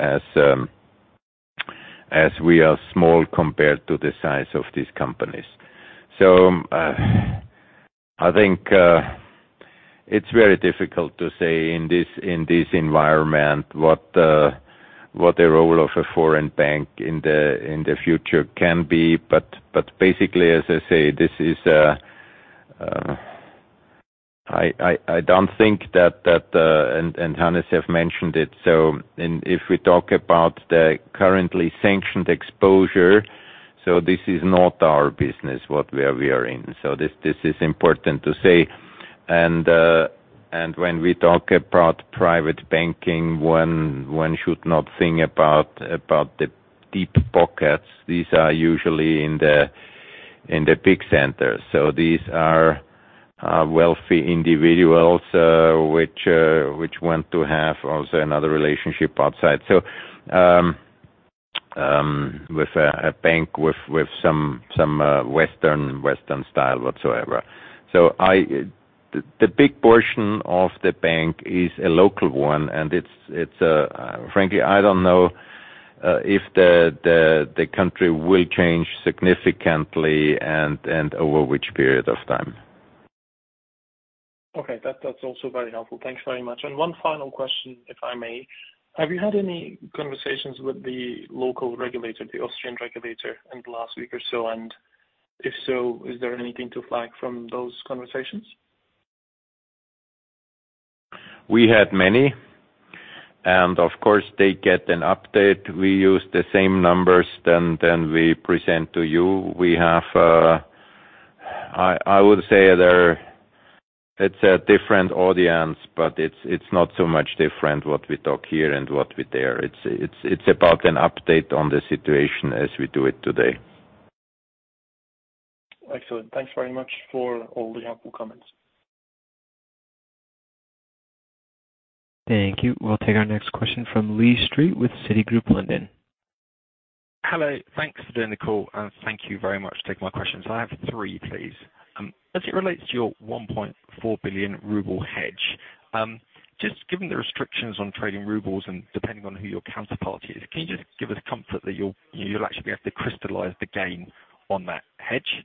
as we are small compared to the size of these companies. I think it's very difficult to say in this environment what the role of a foreign bank in the future can be. Basically, as I say, this is. I don't think that. Hannes have mentioned it. If we talk about the currently sanctioned exposure, this is not our business, what we are in. This is important to say. When we talk about private banking, one should not think about the deep pockets. These are usually in the big centers. These are wealthy individuals which want to have also another relationship outside with a bank with some Western style whatsoever. I. The big portion of the bank is a local one, and it's. Frankly, I don't know if the country will change significantly and over which period of time. Okay. That's also very helpful. Thanks very much. One final question, if I may. Have you had any conversations with the local regulator, the Austrian regulator, in the last week or so? If so, is there anything to flag from those conversations? We had many, and of course, they get an update. We use the same numbers then we present to you. We have. I would say there. It's a different audience, but it's about an update on the situation as we do it today. Excellent. Thanks very much for all the helpful comments. Thank you. We'll take our next question from Lee Street with Citigroup London. Hello. Thanks for doing the call, and thank you very much for taking my questions. I have three, please. As it relates to your 1.4 billion ruble hedge, just given the restrictions on trading rubles and depending on who your counterparty is, can you just give us a comfort that you'll actually be able to crystallize the gain on that hedge?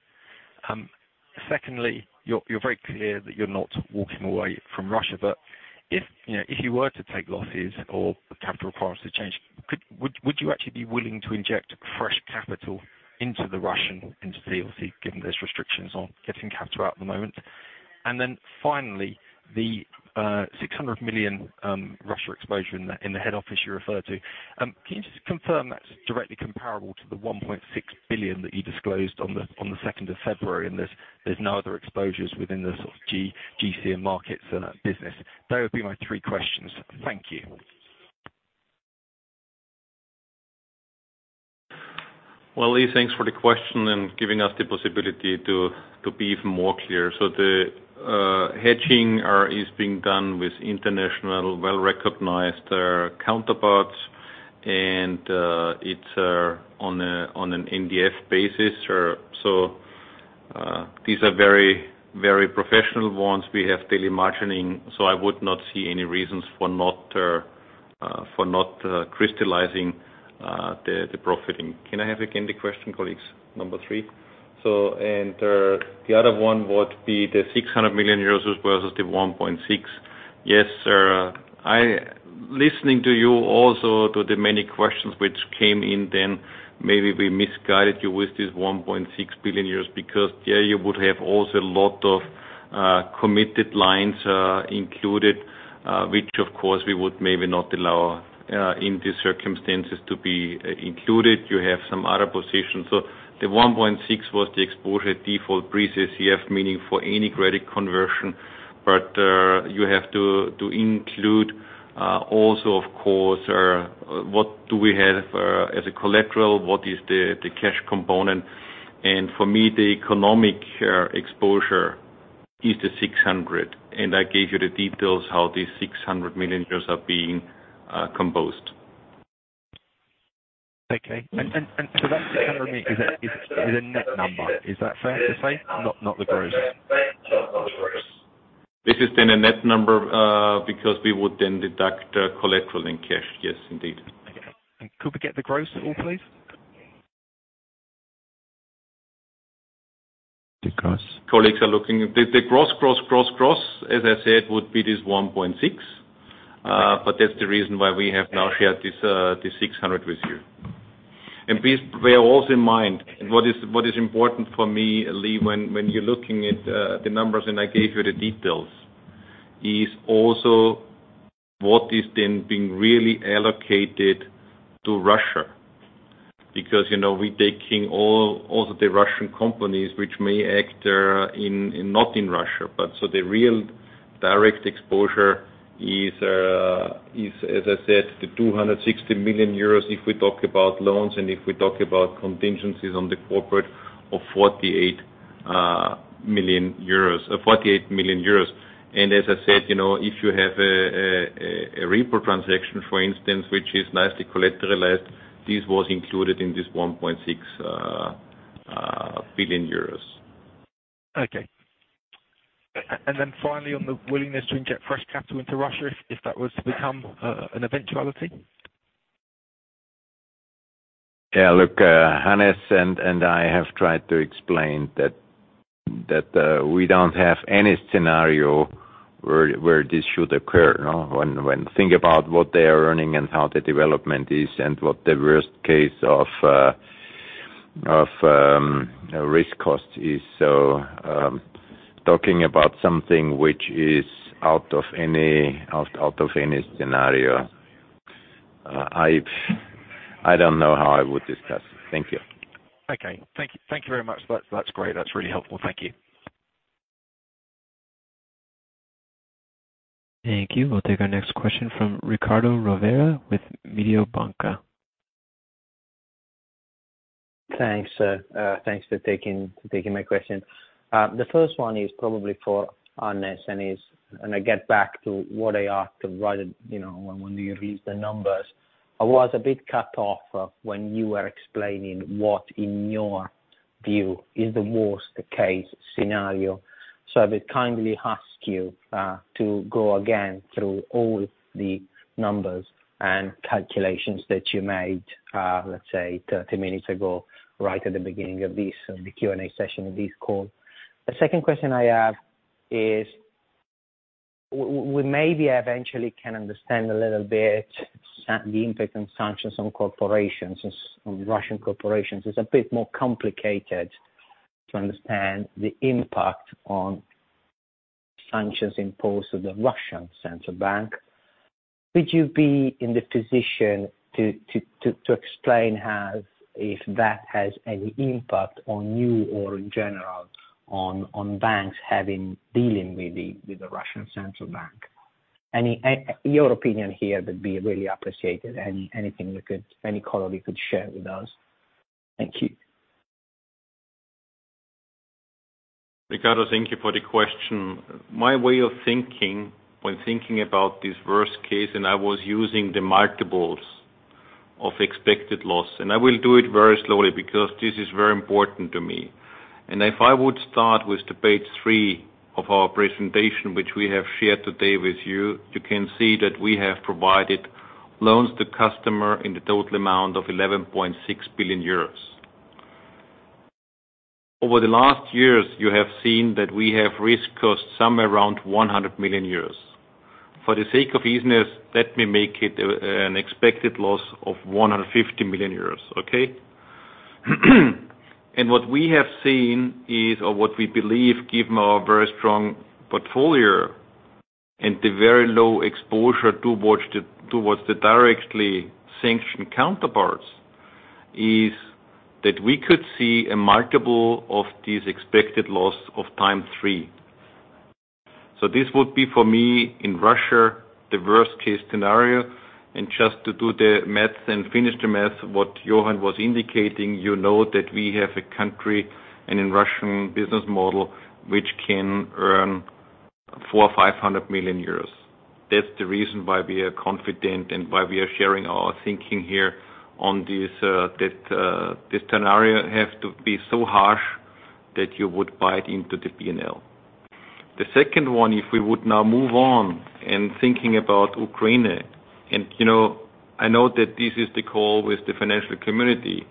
Secondly, you're very clear that you're not walking away from Russia, but if, you know, if you were to take losses or capital requirements to change, would you actually be willing to inject fresh capital into the Russian entity, obviously given those restrictions on getting capital out at the moment? Finally, the 600 million Russia exposure in the head office you referred to. Can you just confirm that's directly comparable to the 1.6 billion that you disclosed on the second of February, and there's no other exposures within the sort of GCM markets and that business? That would be my three questions. Thank you. Well, Lee, thanks for the question and giving us the possibility to be even more clear. The hedging is being done with international, well-recognized counterparties and it's on an NDF basis. These are very, very professional ones. We have daily margining, so I would not see any reasons for not crystallizing the profit. Can I have again the question, colleagues, number three? The other one would be the 600 million euros versus the 1.6. Yes, sir. I Listening to you also to the many questions which came in, then maybe we misguided you with this 1.6 billion because, yeah, you would have also a lot of committed lines included, which of course we would maybe not allow in these circumstances to be included. You have some other positions. The 1.6 was the exposure default pre-CCF meaning for any credit conversion. You have to include also of course what do we have as a collateral, what is the cash component. For me, the economic exposure is the 600, and I gave you the details how these 600 million euros are being composed. For that EUR 600 million is a net number. Is that fair to say? Not the gross. This is then a net number, because we would then deduct collateral in cash. Yes, indeed. Okay. Could we get the gross at all, please? The gross, as I said, would be this 1.6. Okay. That's the reason why we have now shared this 600 with you. Please bear also in mind, what is important for me, Lee, when you're looking at the numbers, and I gave you the details, is also what is then being really allocated to Russia. Because, you know, we're taking all of the Russian companies which may act not in Russia. The real direct exposure is, as I said, the 260 million euros, if we talk about loans and if we talk about contingencies on the corporate of 48 million euros. As I said, you know, if you have a repo transaction, for instance, which is nicely collateralized, this was included in this 1.6 billion euros. Okay. Then finally, on the willingness to inject fresh capital into Russia, if that was to become an eventuality. Yeah. Look, Hannes and I have tried to explain that we don't have any scenario where this should occur, you know. When we think about what they are earning and how the development is and what the worst case of risk cost is. Talking about something which is out of any scenario, I don't know how I would discuss. Thank you. Okay. Thank you. Thank you very much. That's great. That's really helpful. Thank you. Thank you. We'll take our next question from Riccardo Rovere with Mediobanca. Thanks for taking my question. The first one is probably for Hannes, and I get back to what I asked right at, you know, when you released the numbers. I was a bit cut off when you were explaining what in your view is the worst case scenario. I will kindly ask you to go again through all the numbers and calculations that you made, let's say 30 minutes ago, right at the beginning of the Q&A session of this call. The second question I have is, we maybe eventually can understand a little bit the impact of sanctions on corporations, as on Russian corporations. It's a bit more complicated to understand the impact of sanctions imposed on the Central Bank of Russia. Would you be in the position to explain how if that has any impact on you or in general on banks dealing with the Russian Central Bank? Any your opinion here would be really appreciated. Any color you could share with us. Thank you. Riccardo, thank you for the question. My way of thinking when thinking about this worst case, and I was using the multiples of expected loss, and I will do it very slowly because this is very important to me. If I would start with page 3 of our presentation, which we have shared today with you can see that we have provided loans to customer in the total amount of 11.6 billion euros. Over the last years, you have seen that we have risk costs somewhere around 100 million euros. For the sake of easiness, let me make it an expected loss of 150 million euros, okay? What we have seen is, or what we believe, given our very strong portfolio and the very low exposure towards the directly sanctioned counterparts, is that we could see a multiple of these expected loss times three. This would be for me in Russia, the worst-case scenario. Just to do the math and finish the math, what Johann was indicating, you know that we have our country in Russian business model, which can earn 400 million or 500 million euros. That's the reason why we are confident and why we are sharing our thinking here on this, that this scenario have to be so harsh that you would bite into the P&L. The second one, if we would now move on in thinking about Ukraine, and, you know, I know that this is the call with the financial community,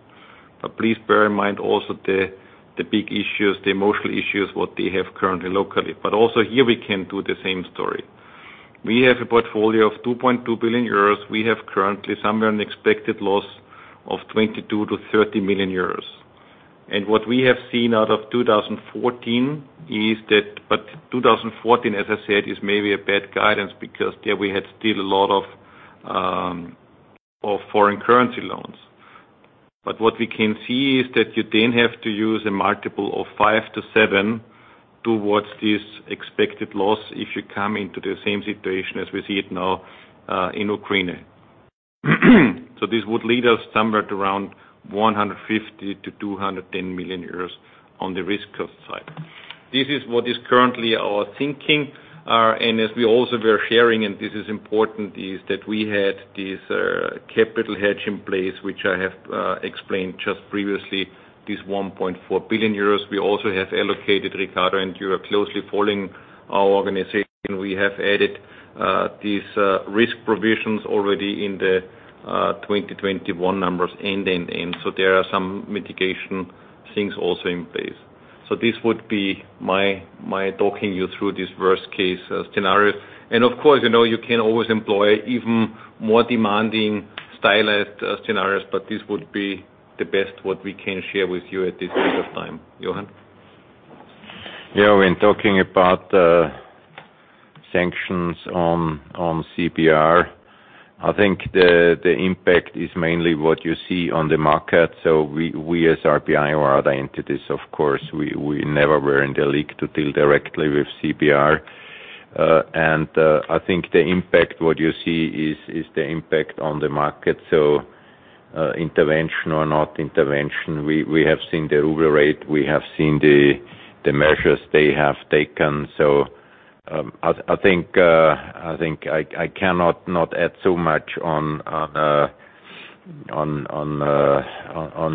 but please bear in mind also the big issues, the emotional issues, what they have currently locally. Also here we can do the same story. We have a portfolio of 2.2 billion euros. We have currently somewhere an expected loss of 22-30 million euros. What we have seen out of 2014 is that, but 2014, as I said, is maybe a bad guidance because there we had still a lot of foreign currency loans. What we can see is that you then have to use a multiple of 5-7 towards this expected loss if you come into the same situation as we see it now in Ukraine. This would lead us somewhere around 150-210 million euros on the risk cost side. This is what is currently our thinking. As we also were sharing, and this is important, is that we had this capital hedge in place, which I have explained just previously, this 1.4 billion euros. We also have allocated, Riccardo, and you are closely following our organization. We have added these risk provisions already in the 2021 numbers ending. There are some mitigation things also in place. This would be my talking you through this worst-case scenario. Of course, you know, you can always employ even more demanding stylized scenarios, but this would be the best what we can share with you at this point of time. Johann. Yeah, when talking about sanctions on CBR, I think the impact is mainly what you see on the market. We as RBI or other entities, of course, we never were in the league to deal directly with CBR. I think the impact what you see is the impact on the market. Intervention or not intervention, we have seen the key rate, we have seen the measures they have taken. I think I cannot add so much on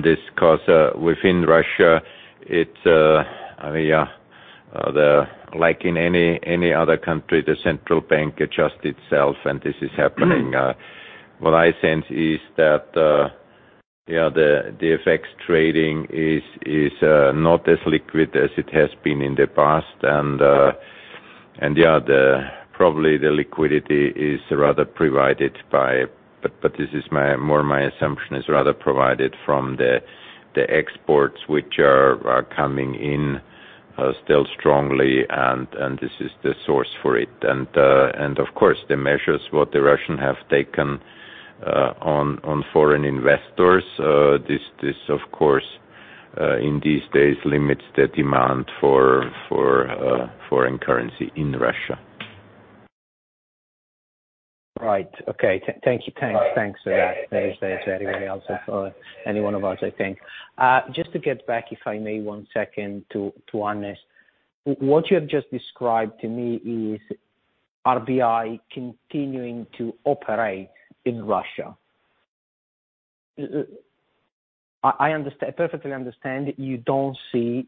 this because within Russia, it's, I mean, like in any other country, the central bank adjusts itself, and this is happening. What I sense is that the FX trading is not as liquid as it has been in the past. Probably the liquidity is rather provided from the exports which are coming in still strongly and this is the source for it. Of course, the measures what the Russians have taken on foreign investors this of course in these days limits the demand for foreign currency in Russia. Right. Okay. Thank you. Thanks for that. There's anybody else or any one of us, I think. Just to get back, if I may, one second to Hannes. What you have just described to me is RBI continuing to operate in Russia. I perfectly understand you don't see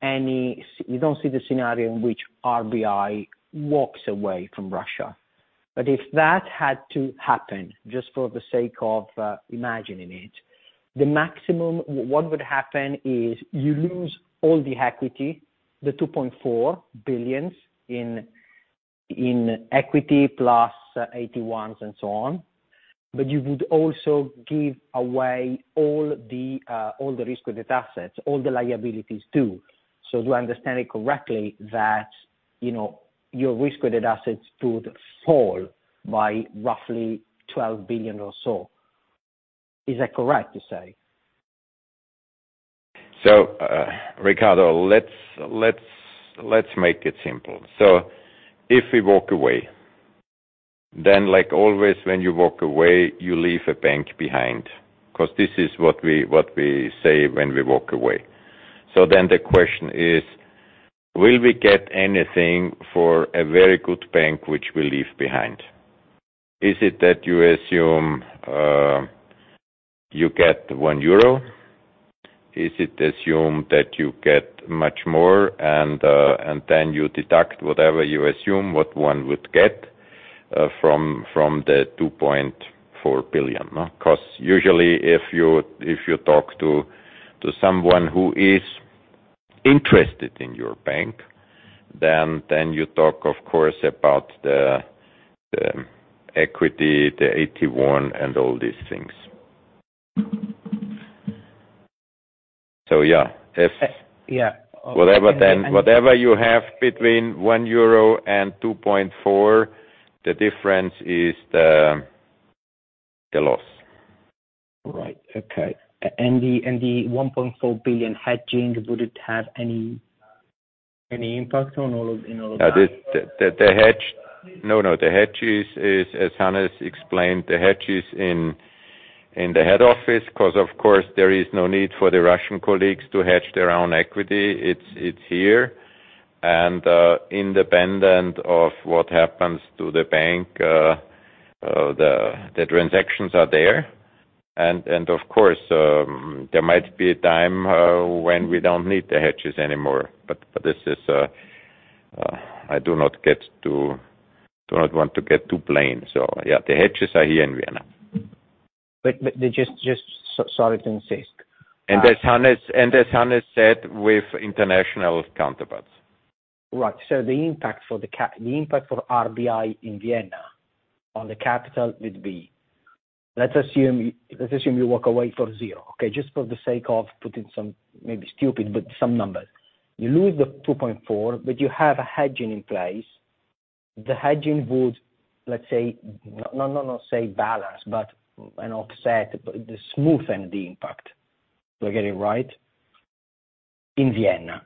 the scenario in which RBI walks away from Russia. If that had to happen, just for the sake of imagining it, the maximum, what would happen is you lose all the equity, the 2.4 billion in equity plus AT1s and so on, but you would also give away all the risk-weighted assets, all the liabilities too. Do I understand it correctly that, you know, your risk-weighted assets would fall by roughly 12 billion or so? Is that correct to say? Riccardo, let's make it simple. If we walk away, then like always, when you walk away, you leave a bank behind, 'cause this is what we say when we walk away. Then the question is, will we get anything for a very good bank which we leave behind? Is it that you assume you get 1 euro? Is it assumed that you get much more and then you deduct whatever you assume what one would get from 2.4 billion, no? 'Cause usually if you talk to someone who is interested in your bank, then you talk of course about the equity, the AT1 and all these things. Yeah, if- Yeah. Whatever you have between 1 euro and 2.4, the difference is the loss. Right. Okay. The 1.4 billion hedging, would it have any impact in all of that? The hedge is, as Hannes explained, the hedge is in the head office, 'cause of course, there is no need for the Russian colleagues to hedge their own equity. It's here. Independent of what happens to the bank, the transactions are there. Of course, there might be a time when we don't need the hedges anymore. But this is, I do not want to get too plain. Yeah, the hedges are here in Vienna. Just so sorry to insist. as Hannes said, with international counterparts. Right. The impact for RBI in Vienna on the capital would be. Let's assume you walk away for zero, okay? Just for the sake of putting some, maybe stupid, but some numbers. You lose the 2.4%, but you have a hedge in place. The hedge would, let's say, balance, but an offset, but smoothen the impact. Do I get it right? In Vienna.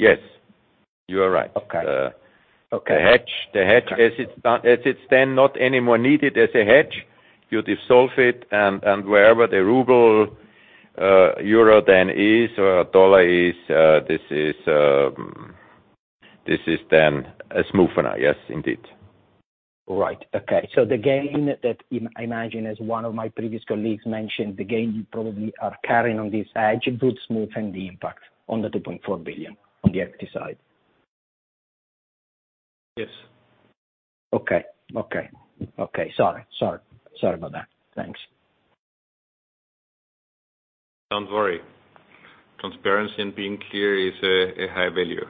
Yes. You are right. Okay. The- Okay. The hedge as it's then not anymore needed as a hedge, you dissolve it and wherever the ruble, euro then is or dollar is, this is then a smoother. Yes, indeed. Right. Okay. The gain that I imagine as one of my previous colleagues mentioned, the gain you probably are carrying on this hedge would smoothen the impact on the 2.4 billion on the equity side. Yes. Okay. Sorry about that. Thanks. Don't worry. Transparency and being clear is a high value.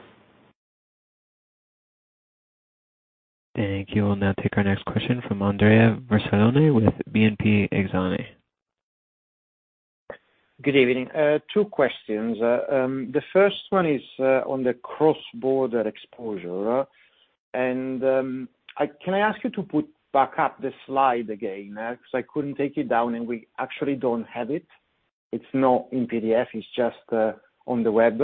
Thank you. We'll now take our next question from Andrea Vercellone with BNP Exane. Good evening. 2 questions. The first one is on the cross-border exposure. Can I ask you to put back up the slide again? Because I couldn't take it down, and we actually don't have it. It's not in PDF, it's just on the web.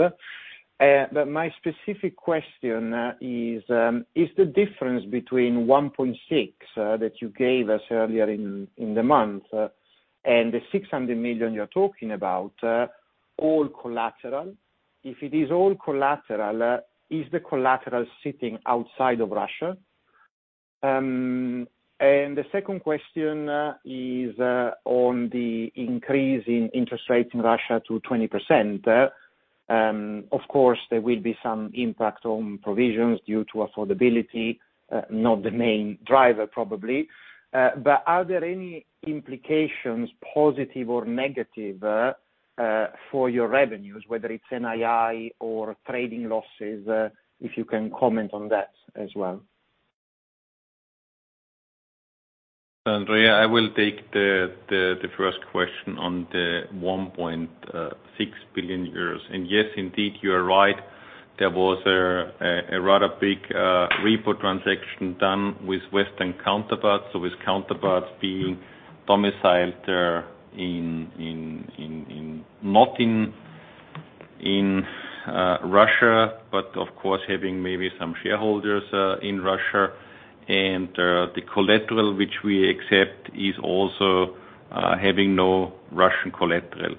But my specific question is the difference between 1.6 that you gave us earlier in the month and the 600 million you're talking about all collateral? If it is all collateral, is the collateral sitting outside of Russia? The second question is on the increase in interest rates in Russia to 20%. Of course, there will be some impact on provisions due to affordability, not the main driver, probably. Are there any implications, positive or negative, for your revenues? Whether it's NII or trading losses, if you can comment on that as well. Andrea, I will take the first question on the 1.6 billion euros. Yes, indeed, you are right. There was a rather big repo transaction done with Western counterparts, so with counterparts being domiciled not in Russia, but of course, having maybe some shareholders in Russia. The collateral which we accept is also having no Russian collateral.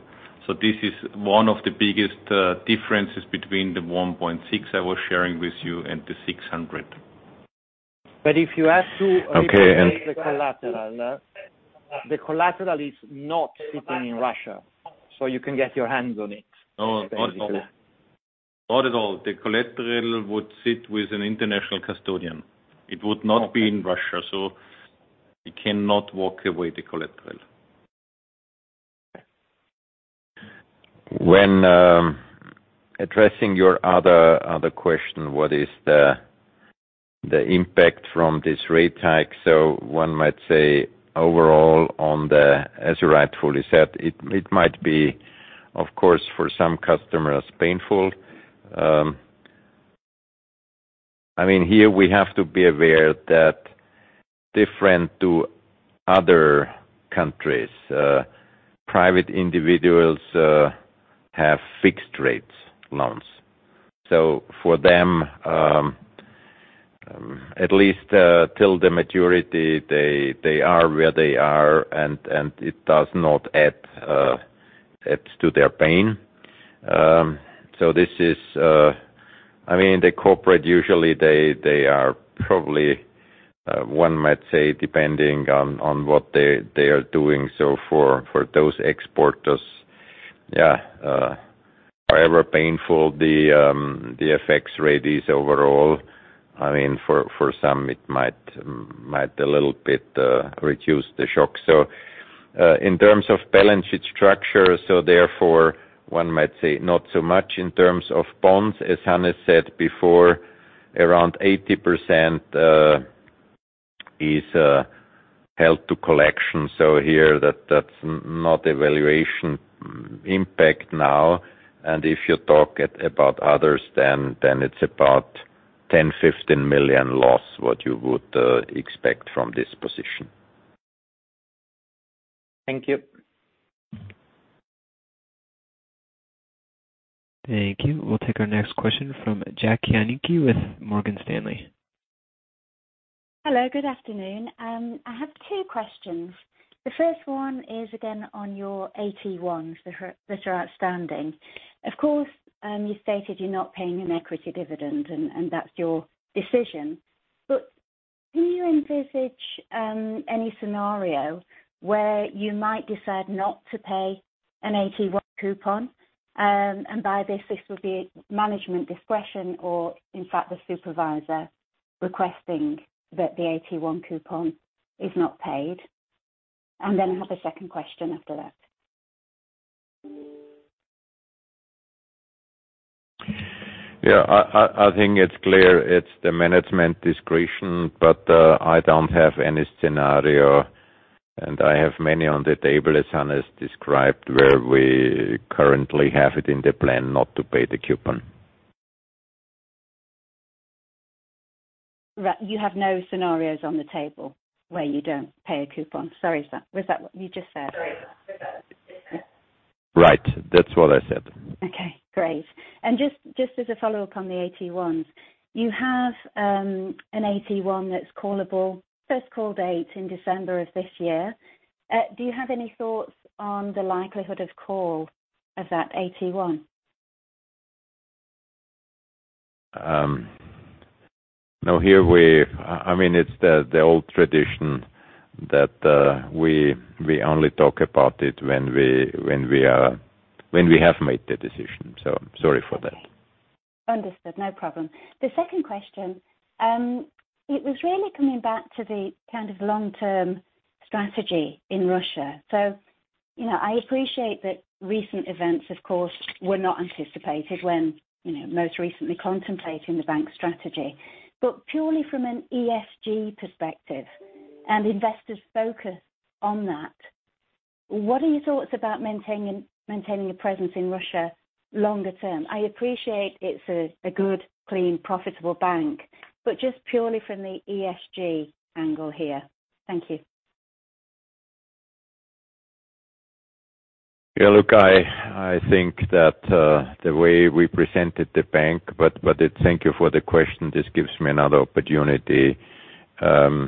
This is one of the biggest differences between the 1.6 I was sharing with you and the 600. If you had to. Okay. The collateral. The collateral is not sitting in Russia, so you can get your hands on it. No, not at all. The collateral would sit with an international custodian. It would not. Okay. Being in Russia, so you cannot walk away from the collateral. When addressing your other question, what is the impact from this rate hike. One might say overall, as you rightfully said, it might be, of course, for some customers, painful. I mean, here we have to be aware that different to other countries, private individuals have fixed-rate loans. For them, at least till the maturity they are where they are, and it does not add to their pain. This is, I mean, the corporates usually are probably, one might say, depending on what they are doing. For those exporters, however painful the FX rate is overall. I mean, for some, it might a little bit reduce the shock. In terms of balance sheet structure, so therefore one might say not so much in terms of bonds. As Hannes said before, around 80% is hold to collect. Here that's not a valuation impact now. If you talk about others, then it's about 10-15 million loss, what you would expect from this position. Thank you. Thank you. We'll take our next question from Jack Janicki with Morgan Stanley. Hello, good afternoon. I have two questions. The first one is again on your AT-1s that are outstanding. Of course, you stated you're not paying an equity dividend and that's your decision. Do you envisage any scenario where you might decide not to pay an AT-1 coupon? By this would be management discretion or in fact the supervisor requesting that the AT-1 coupon is not paid. I have a second question after that. Yeah. I think it's clear it's the management discretion, but I don't have any scenario, and I have many on the table, as Hannes described, where we currently have it in the plan not to pay the coupon. Right. You have no scenarios on the table where you don't pay a coupon? Sorry, was that what you just said? Right. That's what I said. Okay, great. Just as a follow-up on the AT1s. You have an AT1 that's callable. First call date in December of this year. Do you have any thoughts on the likelihood of call of that AT1? No, I mean, it's the old tradition that we only talk about it when we have made the decision. Sorry for that. Okay. Understood. No problem. The second question, it was really coming back to the kind of long-term strategy in Russia. You know, I appreciate that recent events, of course, were not anticipated when, you know, most recently contemplating the bank strategy. Purely from an ESG perspective and investors' focus on that, what are your thoughts about maintaining a presence in Russia longer term? I appreciate it's a good, clean, profitable bank, but just purely from the ESG angle here. Thank you. Yeah. Look, I think that the way we presented the bank, but thank you for the question. This gives me another opportunity. It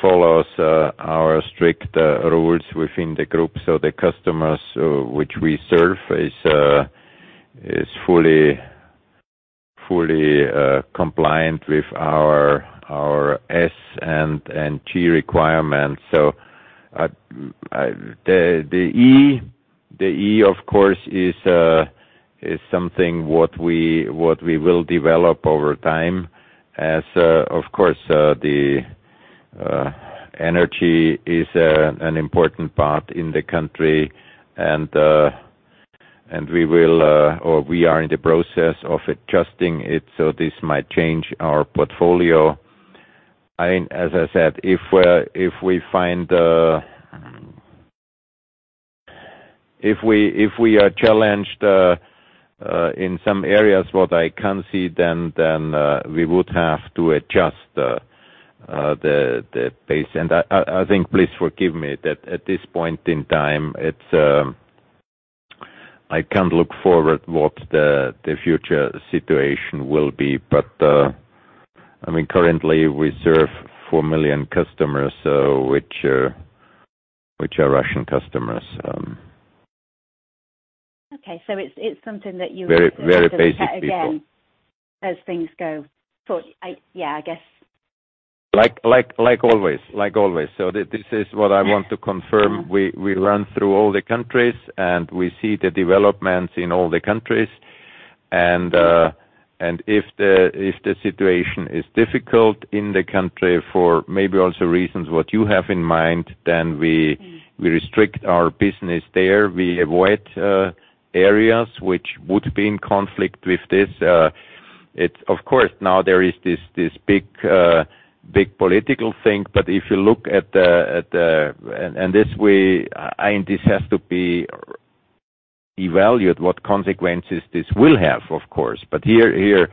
follows our strict rules within the group. The customers which we serve is fully compliant with our S&T requirements. The E of course is something what we will develop over time, as of course the energy is an important part in the country, and we are in the process of adjusting it, so this might change our portfolio. I mean, as I said, if we find If we are challenged in some areas, what I can't see then we would have to adjust the pace. I think, please forgive me that at this point in time it's I can't look forward what the future situation will be. I mean, currently we serve 4 million customers, which are Russian customers. Okay. It's something that you- Very, very basic people Yeah, I guess. Like always. This is what I want to confirm. Yeah. We run through all the countries, and we see the developments in all the countries. If the situation is difficult in the country for maybe also reasons that you have in mind, then we- Mm. We restrict our business there. We avoid areas which would be in conflict with this. Of course, now there is this big political thing. If you look at the. This has to be evaluated what consequences this will have, of course. Here,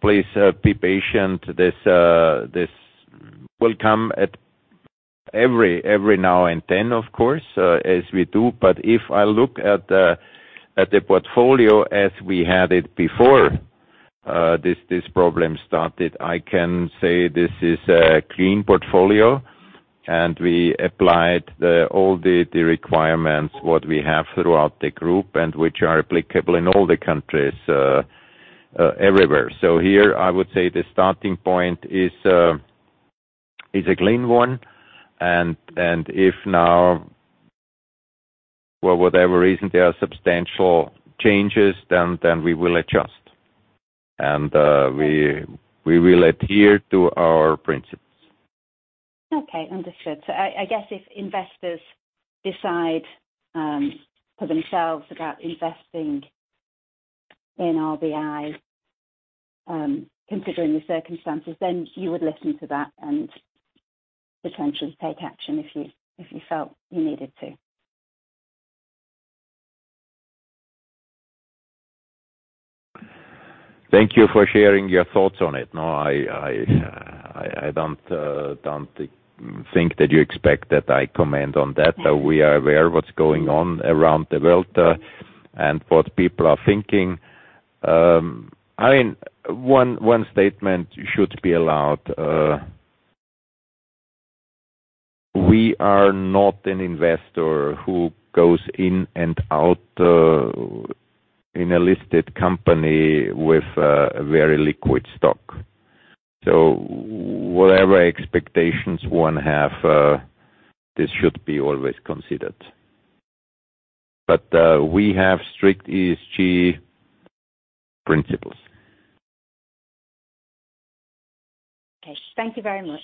please, be patient. This will come at every now and then, of course, as we do. If I look at the portfolio as we had it before this problem started, I can say this is a clean portfolio, and we applied all the requirements what we have throughout the group, and which are applicable in all the countries, everywhere. Here, I would say the starting point is a clean one. If now for whatever reason there are substantial changes, then we will adjust, and we will adhere to our principles. Okay. Understood. I guess if investors decide for themselves about investing in RBI, considering the circumstances, then you would listen to that and potentially take action if you felt you needed to. Thank you for sharing your thoughts on it. No, I don't think that you expect that I comment on that, but we are aware of what's going on around the world, and what people are thinking. I mean, one statement should be allowed. We are not an investor who goes in and out in a listed company with a very liquid stock. Whatever expectations one have, this should be always considered. We have strict ESG principles. Okay. Thank you very much.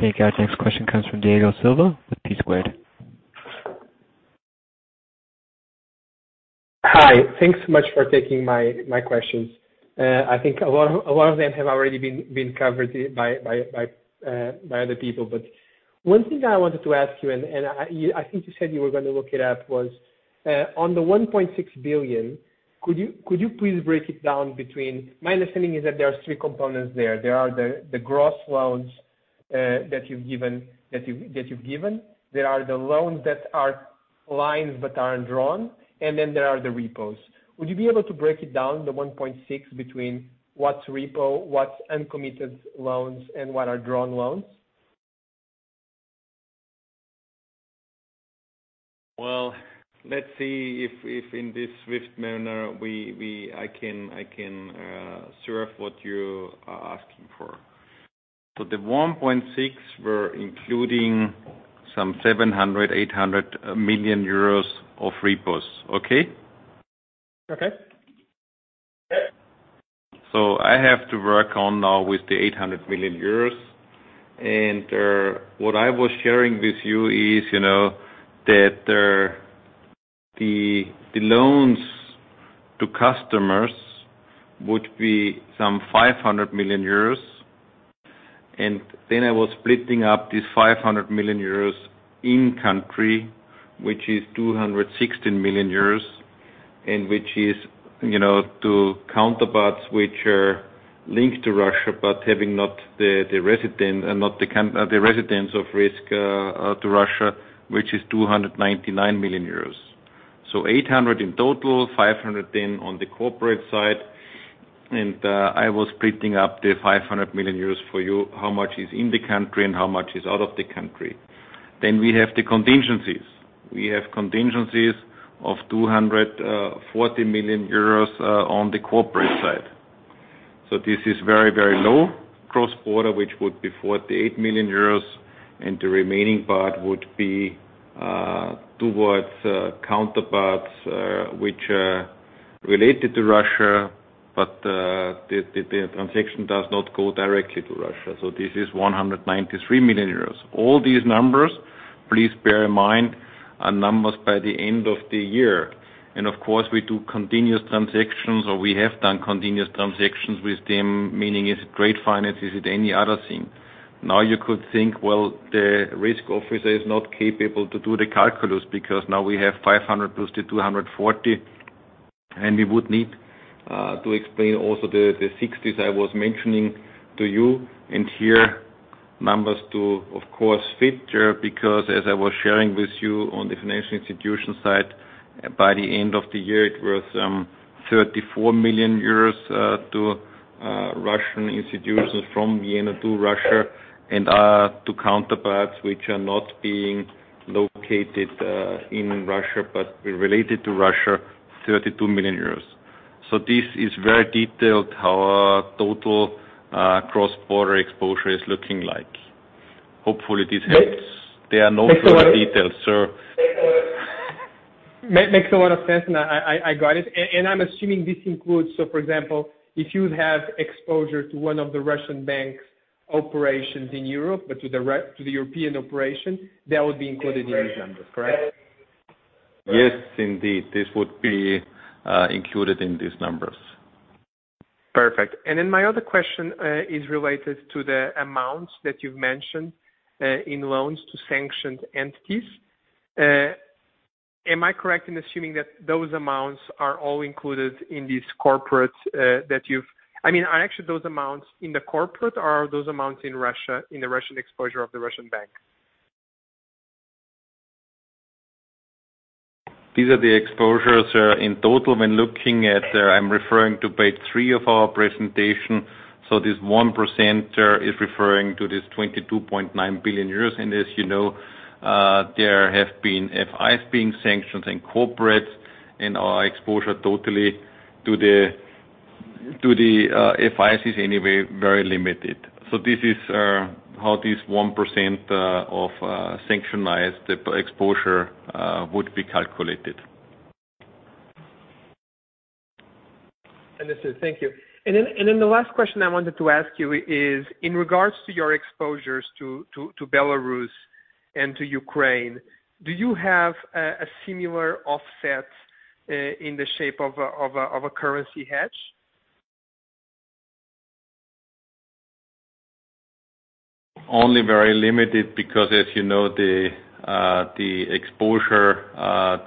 Thank you. Our next question comes from Diego Silva with P Squared. Hi. Thanks so much for taking my questions. I think a lot of them have already been covered by other people. One thing I wanted to ask you. I think you said you were gonna look it up, was on the 1.6 billion. Could you please break it down between. My understanding is that there are three components there. There are the gross loans that you've given. There are the loans that are lines but aren't drawn, and then there are the repos. Would you be able to break it down, the 1.6 billion, between what's repo, what's uncommitted loans, and what are drawn loans? Well, let's see if in this swift manner I can serve what you are asking for. The 1.6, we're including some 700 million-800 million euros of repos. Okay? Okay. I have to work on now with the 800 million euros. What I was sharing with you is, you know, that the loans to customers would be some 500 million euros. I was splitting up this 500 million euros in country, which is 216 million euros, and which is, you know, to counterparties which are linked to Russia but having not the residence of risk to Russia, which is 299 million euros. Eight hundred in total, five hundred then on the corporate side, and I was splitting up the 500 million euros for you, how much is in the country and how much is out of the country. We have the contingencies. We have contingencies of 240 million euros on the corporate side. This is very, very low cross-border, which would be 48 million euros, and the remaining part would be towards counterparts which are related to Russia, but the transaction does not go directly to Russia. This is 193 million euros. All these numbers, please bear in mind, are numbers by the end of the year. Of course, we do continuous transactions, or we have done continuous transactions with them, meaning is it trade finance, is it any other thing? Now you could think, well, the risk officer is not capable to do the calculation because now we have 500 plus the 240, and we would need to explain also the 60s I was mentioning to you. Here numbers do of course fit, because as I was sharing with you on the financial institution side, by the end of the year, it was 34 million euros to Russian institutions from Vienna to Russia and to counterparts which are not being located in Russia, but related to Russia, 32 million euros. This is very detailed how our total cross-border exposure is looking like. Hopefully this helps. There are no further details, sir. Makes a lot of sense, and I got it. I'm assuming this includes, so for example, if you have exposure to one of the Russian banks' operations in Europe, but to the European operation that would be included in these numbers, correct? Yes, indeed. This would be included in these numbers. Perfect. My other question is related to the amounts that you've mentioned in loans to sanctioned entities. Am I correct in assuming that those amounts are all included in these corporates? I mean, are actually those amounts in the corporate or are those amounts in Russia, in the Russian exposure of the Russian bank? These are the exposures in total when looking at, I'm referring to page 3 of our presentation. This 1% is referring to this 22.9 billion euros. As you know, there have been FIs being sanctioned and corporates, and our exposure totally to the FIs is anyway very limited. This is how this 1% of sanctioned exposure would be calculated. Understood. Thank you. The last question I wanted to ask you is in regard to your exposures to Belarus and to Ukraine, do you have a similar offset in the shape of a currency hedge? Only very limited because as you know the exposure,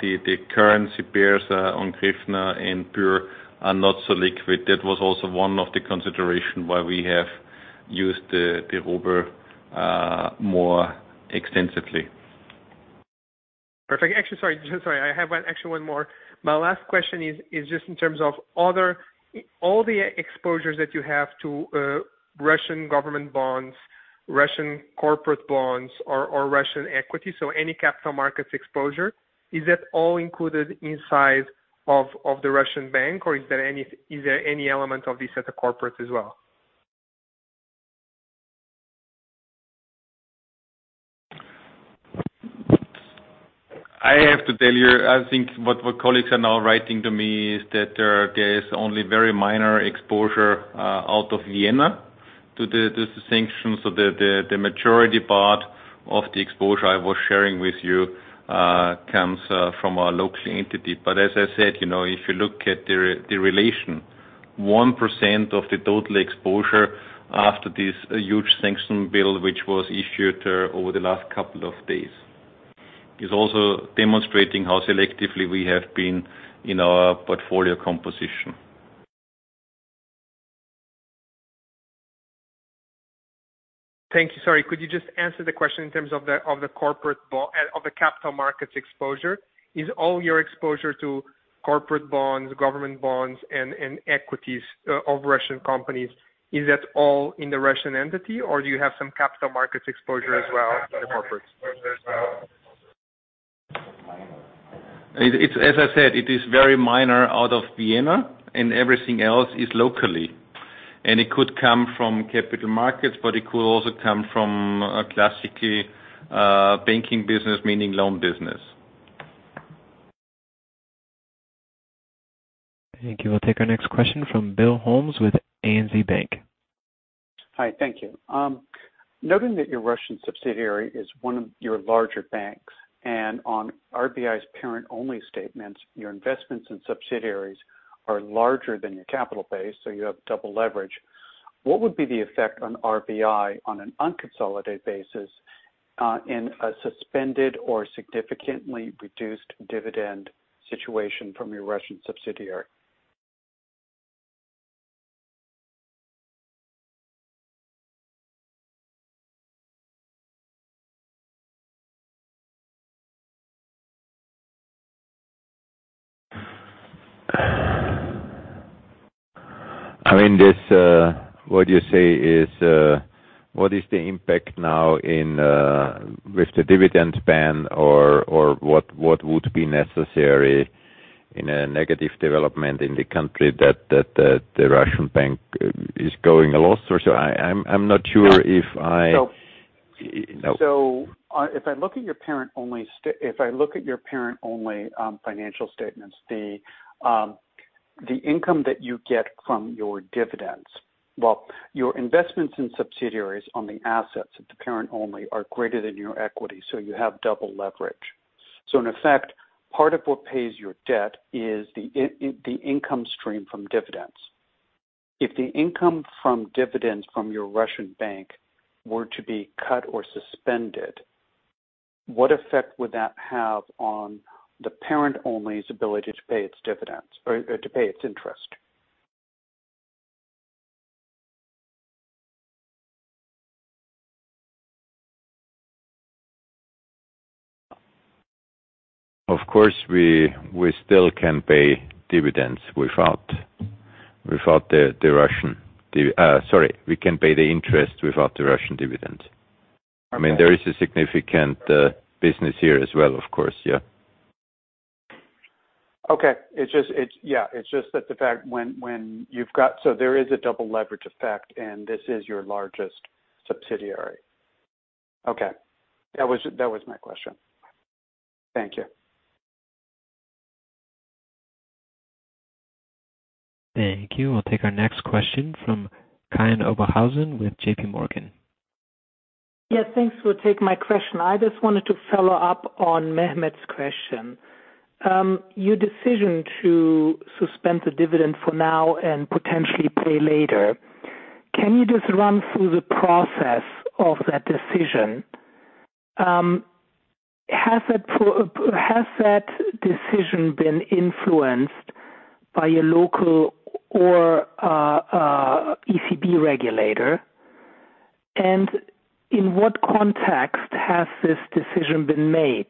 the currency pairs on the RUB and EUR are not so liquid. That was also one of the considerations why we have used the EUR more extensively. Perfect. Actually, sorry. I have actually one more. My last question is just in terms of other, all the exposures that you have to Russian government bonds, Russian corporate bonds or Russian equity, so any capital markets exposure, is that all included inside of the Russian bank or is there any element of this at the corporate as well? I have to tell you, I think what my colleagues are now writing to me is that there is only very minor exposure out of Vienna to the sanctions. The majority part of the exposure I was sharing with you comes from our local entity. As I said, you know, if you look at the relation, 1% of the total exposure after this huge sanctions bill which was issued over the last couple of days is also demonstrating how selectively we have been in our portfolio composition. Thank you. Sorry. Could you just answer the question in terms of the capital markets exposure? Is all your exposure to corporate bonds, government bonds and equities of Russian companies all in the Russian entity or do you have some capital markets exposure as well to the corporate? It's as I said, it is very minor out of Vienna and everything else is locally. It could come from capital markets, but it could also come from a classically, banking business, meaning loan business. Thank you. We'll take our next question from Bill Holmes with ANZ Bank. Hi, thank you. Noting that your Russian subsidiary is one of your larger banks and on RBI's parent-only statements, your investments in subsidiaries are larger than your capital base, so you have double leverage. What would be the effect on RBI on an unconsolidated basis, in a suspended or significantly reduced dividend situation from your Russian subsidiary? I mean this, what you say is, what is the impact now in, with the dividend ban or what would be necessary in a negative development in the country that the Russian bank is going a loss or so? I'm not sure if I So No. If I look at your parent-only financial statements, the income that you get from your dividends, well, your investments in subsidiaries on the assets of the parent only are greater than your equity, so you have double leverage. In effect, part of what pays your debt is the income stream from dividends. If the income from dividends from your Russian bank were to be cut or suspended, what effect would that have on the parent only's ability to pay its dividends or to pay its interest? Of course. We can pay the interest without the Russian dividends. I mean, there is a significant business here as well, of course, yeah. Okay. It's just, yeah, it's just that the fact when you've got. There is a double leverage effect, and this is your largest subsidiary. Okay. That was my question. Thank you. Thank you. We'll take our next question from Kai Oberhausen with JP Morgan. Yeah, thanks for taking my question. I just wanted to follow up on Mehmet's question. Your decision to suspend the dividend for now and potentially pay later. Can you just run through the process of that decision? Has that decision been influenced by a local or ECB regulator? In what context has this decision been made?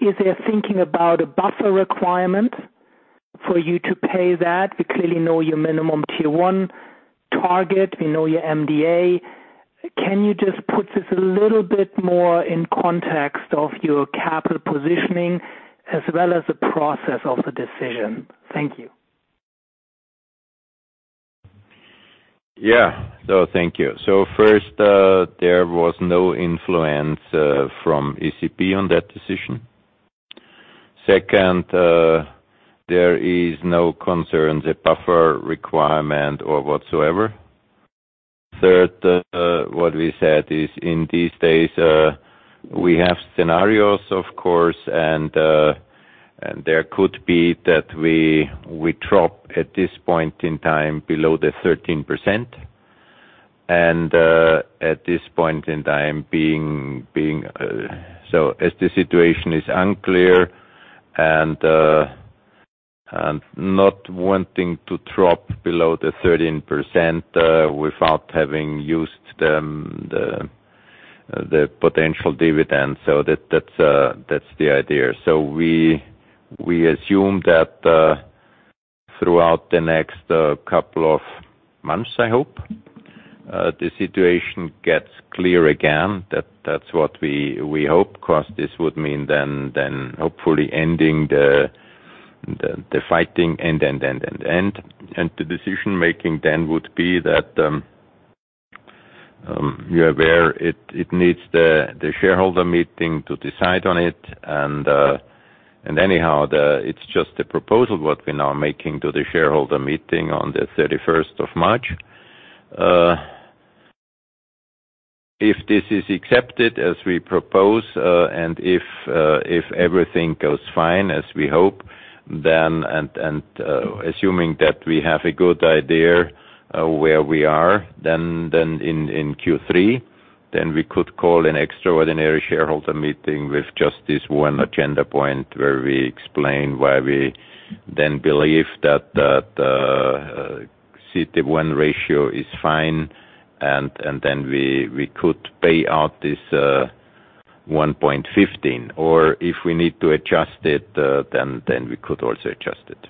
Is there thinking about a buffer requirement for you to pay that? We clearly know your minimum Tier 1 target. We know your MDA. Can you just put this a little bit more in context of your capital positioning as well as the process of the decision? Thank you. Yeah. Thank you. First, there was no influence from ECB on that decision. Second, there is no concern, the buffer requirement or whatsoever. Third, what we said is in these days we have scenarios, of course, and there could be that we drop at this point in time below the 13%. As the situation is unclear and not wanting to drop below the 13% without having used the potential dividend. That's the idea. We assume that throughout the next couple of months, I hope, the situation gets clear again. That's what we hope, 'cause this would mean then hopefully ending the fighting and the decision-making then would be that you're aware it needs the shareholder meeting to decide on it. Anyhow, it's just a proposal what we're now making to the shareholder meeting on the thirty-first of March. If this is accepted as we propose, and if everything goes fine as we hope, then, assuming that we have a good idea of where we are, then in Q3 we could call an extraordinary shareholder meeting with just this one agenda point where we explain why we then believe that the CET1 ratio is fine, and then we could pay out this 1.15. If we need to adjust it, then we could also adjust it.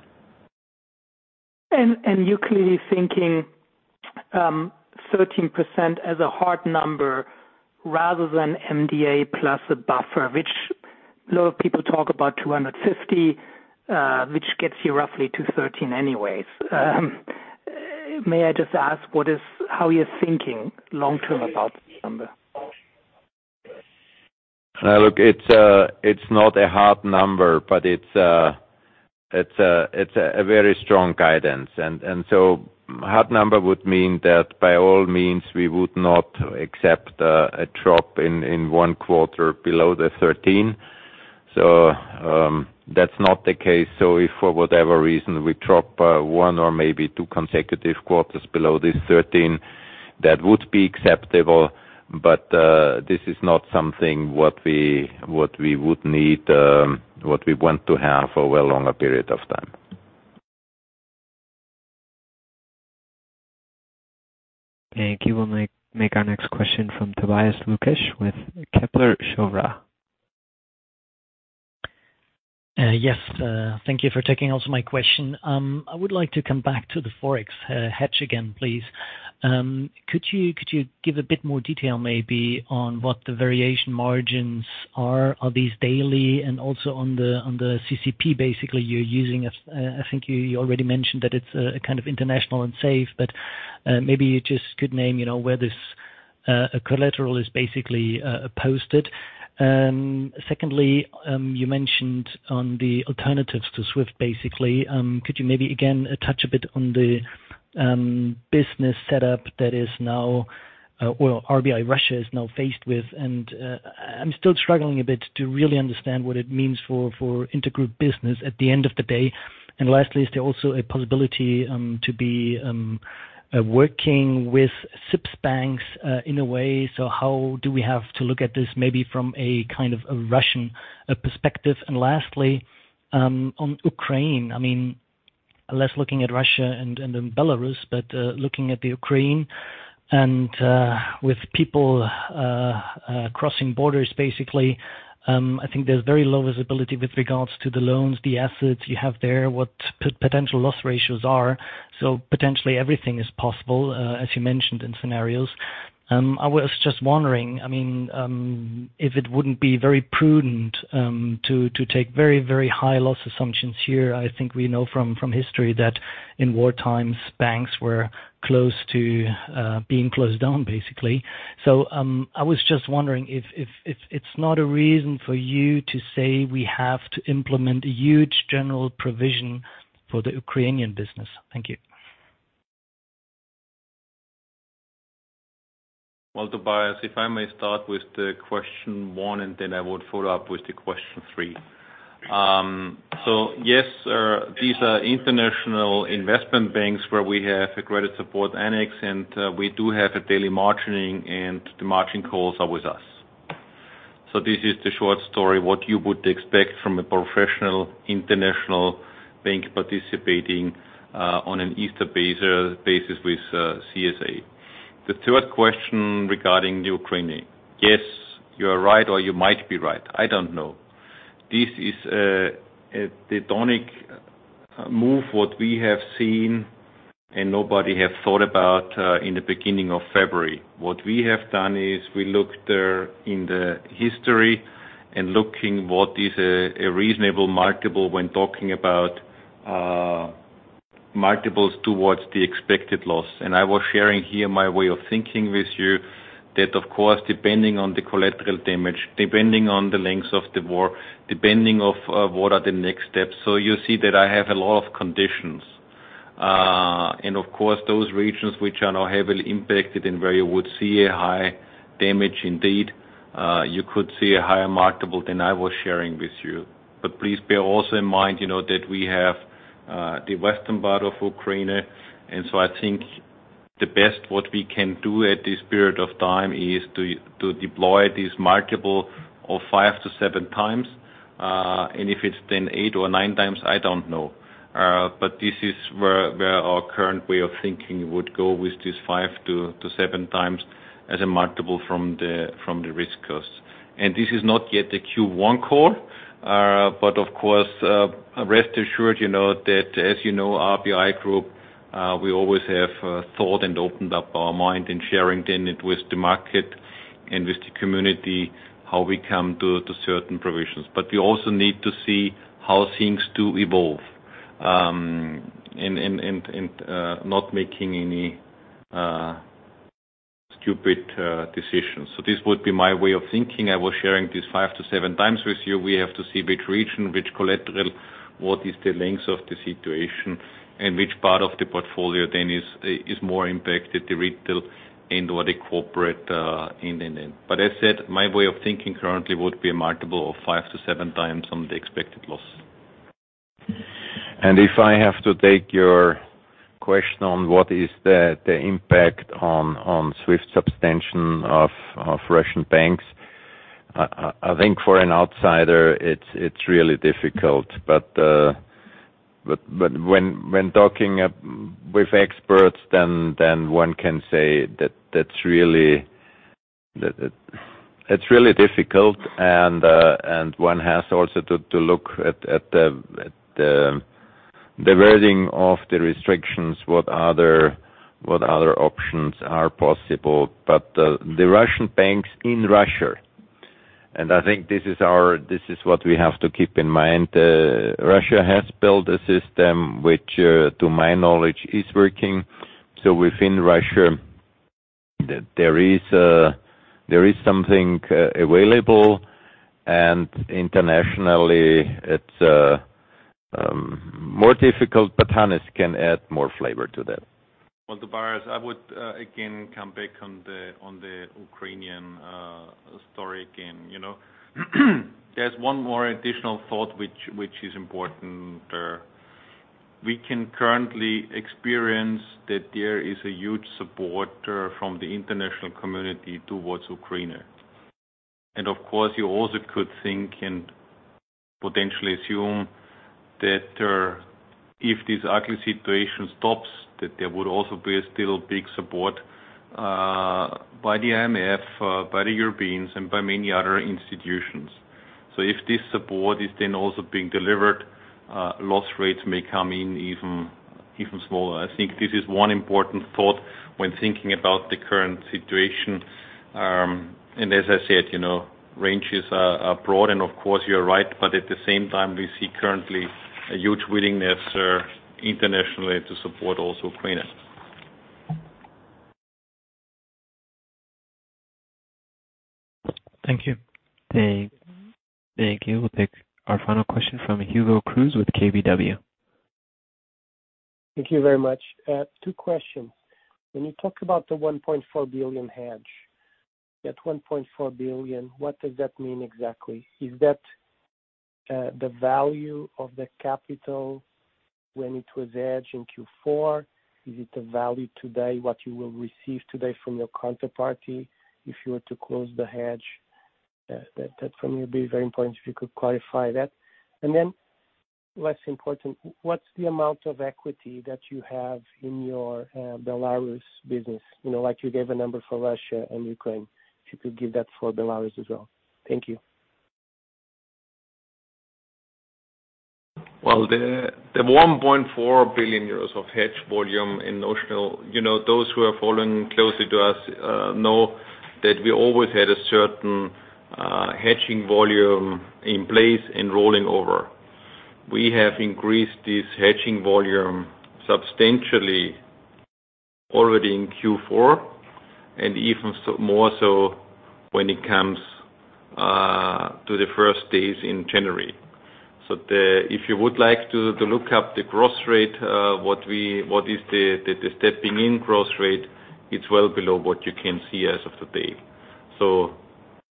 You're clearly thinking 13% as a hard number rather than MDA plus a buffer, which a lot of people talk about 250, which gets you roughly to 13% anyways. May I just ask how you're thinking long-term about this number? Look, it's not a hard number, but it's a very strong guidance. Hard number would mean that by all means, we would not accept a drop in one quarter below the 13%. That's not the case. If for whatever reason we drop one or maybe two consecutive quarters below this 13%, that would be acceptable. This is not something what we would need, what we want to have over a longer period of time. Thank you. We'll take our next question from Tobias Lukesch with Kepler Cheuvreux. Yes, thank you for taking also my question. I would like to come back to the Forex hedge again, please. Could you give a bit more detail maybe on what the variation margins are? Are these daily? And also on the CCP, basically, you're using a I think you already mentioned that it's a kind of international and safe, but maybe you just could name, you know, where this collateral is basically posted. Secondly, you mentioned on the alternatives to Swift, basically, could you maybe again touch a bit on the business setup that is now, well, RBI Russia is now faced with. I'm still struggling a bit to really understand what it means for intergroup business at the end of the day. Lastly, is there also a possibility to be working with CIPS banks in a way? How do we have to look at this maybe from a kind of a Russian perspective? Lastly, on Ukraine, I mean, less looking at Russia and Belarus, but looking at the Ukraine and with people crossing borders, basically. I think there's very low visibility with regards to the loans, the assets you have there, what potential loss ratios are. Potentially everything is possible, as you mentioned in scenarios. I was just wondering, I mean, if it wouldn't be very prudent to take very, very high loss assumptions here. I think we know from history that in war times, banks were close to being closed down, basically. I was just wondering if it's not a reason for you to say we have to implement a huge general provision for the Ukrainian business. Thank you. Well, Tobias, if I may start with the question one, and then I would follow up with the question three. So yes, sir, these are international investment banks where we have a Credit Support Annex, and we do have a daily margining, and the margin calls are with us. So this is the short story, what you would expect from a professional international bank participating on an ISDA basis with CSA. The third question regarding Ukraine. Yes, you're right or you might be right. I don't know. This is a tectonic move, what we have seen and nobody have thought about in the beginning of February. What we have done is we looked in the history and looking what is a reasonable multiple when talking about multiples towards the expected loss. I was sharing here my way of thinking with you that, of course, depending on the collateral damage, depending on the length of the war, depending on what are the next steps. You see that I have a lot of conditions. Of course, those regions which are now heavily impacted and where you would see a high damage indeed, you could see a higher multiple than I was sharing with you. Please bear also in mind, you know, that we have the western part of Ukraine. I think the best what we can do at this period of time is to deploy this multiple of 5-7 times. If it's then 8 or 9 times, I don't know. This is where our current way of thinking would go with this 5-7 times as a multiple from the risk cost. This is not yet the Q1 call, but of course, rest assured, you know, that as you know, RBI Group, we always have thought and opened up our mind in sharing them with the market and with the community how we come to certain provisions. We also need to see how things do evolve, and not making any stupid decisions. This would be my way of thinking. I was sharing this 5-7 times with you. We have to see which region, which collateral, what is the length of the situation and which part of the portfolio then is more impacted, the retail and/or the corporate, in the end. As I said, my way of thinking currently would be a multiple of 5-7 times on the expected loss. If I have to take your question on what is the impact on SWIFT suspension of Russian banks, I think for an outsider, it's really difficult. When talking to with experts, then one can say that that's really. That it's really difficult and one has also to look at the wording of the restrictions, what other options are possible. The Russian banks in Russia, and I think this is what we have to keep in mind. Russia has built a system which, to my knowledge, is working. Within Russia there is something available. Internationally it's more difficult, but Hannes can add more flavor to that. Well, Tobias, I would again come back on the Ukrainian story again. You know there's one more additional thought which is important. We can currently experience that there is a huge support from the international community towards Ukraine. Of course, you also could think and potentially assume that if this ugly situation stops, that there would also be still big support by the IMF, by the Europeans and by many other institutions. If this support is then also being delivered, loss rates may come in even smaller. I think this is one important thought when thinking about the current situation. As I said, you know, ranges are broad and of course you're right, but at the same time we see currently a huge willingness internationally to support also Ukraine. Thank you. Thank- Thank you. We'll take our final question from Hugo Cruz with KBW. Thank you very much. Two questions. When you talk about the 1.4 billion hedge, that 1.4 billion, what does that mean exactly? Is that, the value of the capital when it was hedged in Q4? Is it the value today, what you will receive today from your counterparty if you were to close the hedge? That for me would be very important if you could clarify that. Less important, what's the amount of equity that you have in your, Belarus business? You know, like you gave a number for Russia and Ukraine, if you could give that for Belarus as well. Thank you. The 1.4 billion euros of hedge volume in notional, you know, those who have followed closely to us know that we always had a certain hedging volume in place and rolling over. We have increased this hedging volume substantially already in Q4 and even more so when it comes to the first days in January. So if you would like to look up the cross rate, what is the stepping in cross rate, it's well below what you can see as of today. So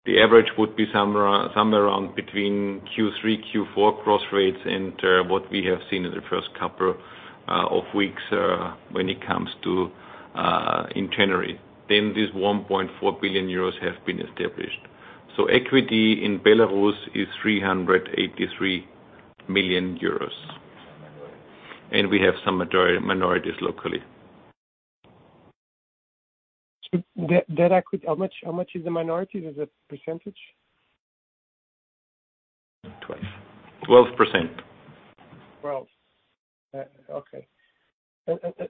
the average would be somewhere around between Q3, Q4 cross rates and what we have seen in the first couple of weeks when it comes to in January, then this 1.4 billion euros have been established. Equity in Belarus is 383 million euros. We have some minorities locally. That equity, how much is the minorities as a percentage? 12%.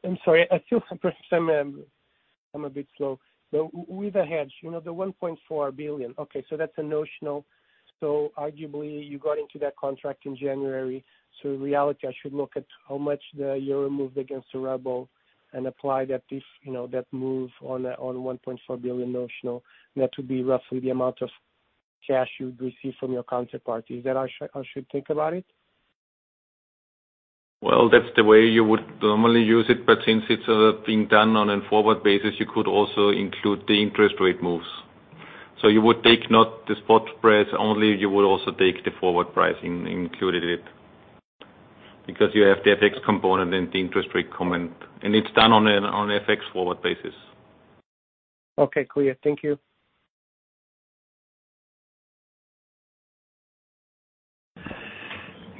I'm sorry. I feel perhaps I'm a bit slow. With the hedge, you know, the 1.4 billion. Okay, that's a notional. Arguably you got into that contract in January. In reality, I should look at how much the euro moved against the ruble and apply that, you know, that move on 1.4 billion notional. That would be roughly the amount of cash you would receive from your counterparty. Is that how I should think about it? Well, that's the way you would normally use it, but since it's being done on a forward basis, you could also include the interest rate moves. You would take not the spot price only, you would also take the forward pricing included it because you have the FX component and the interest rate component, and it's done on FX forward basis. Okay, clear. Thank you.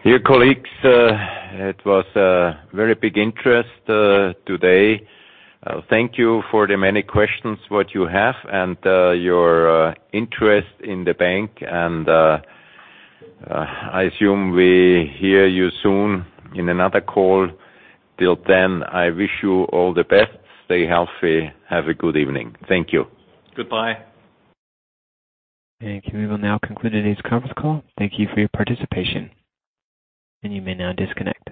Dear colleagues, it was a very big interest today. Thank you for the many questions what you have and your interest in the bank and I assume we hear you soon in another call. Till then, I wish you all the best. Stay healthy. Have a good evening. Thank you. Goodbye. We will now conclude today's conference call. Thank you for your participation, and you may now disconnect.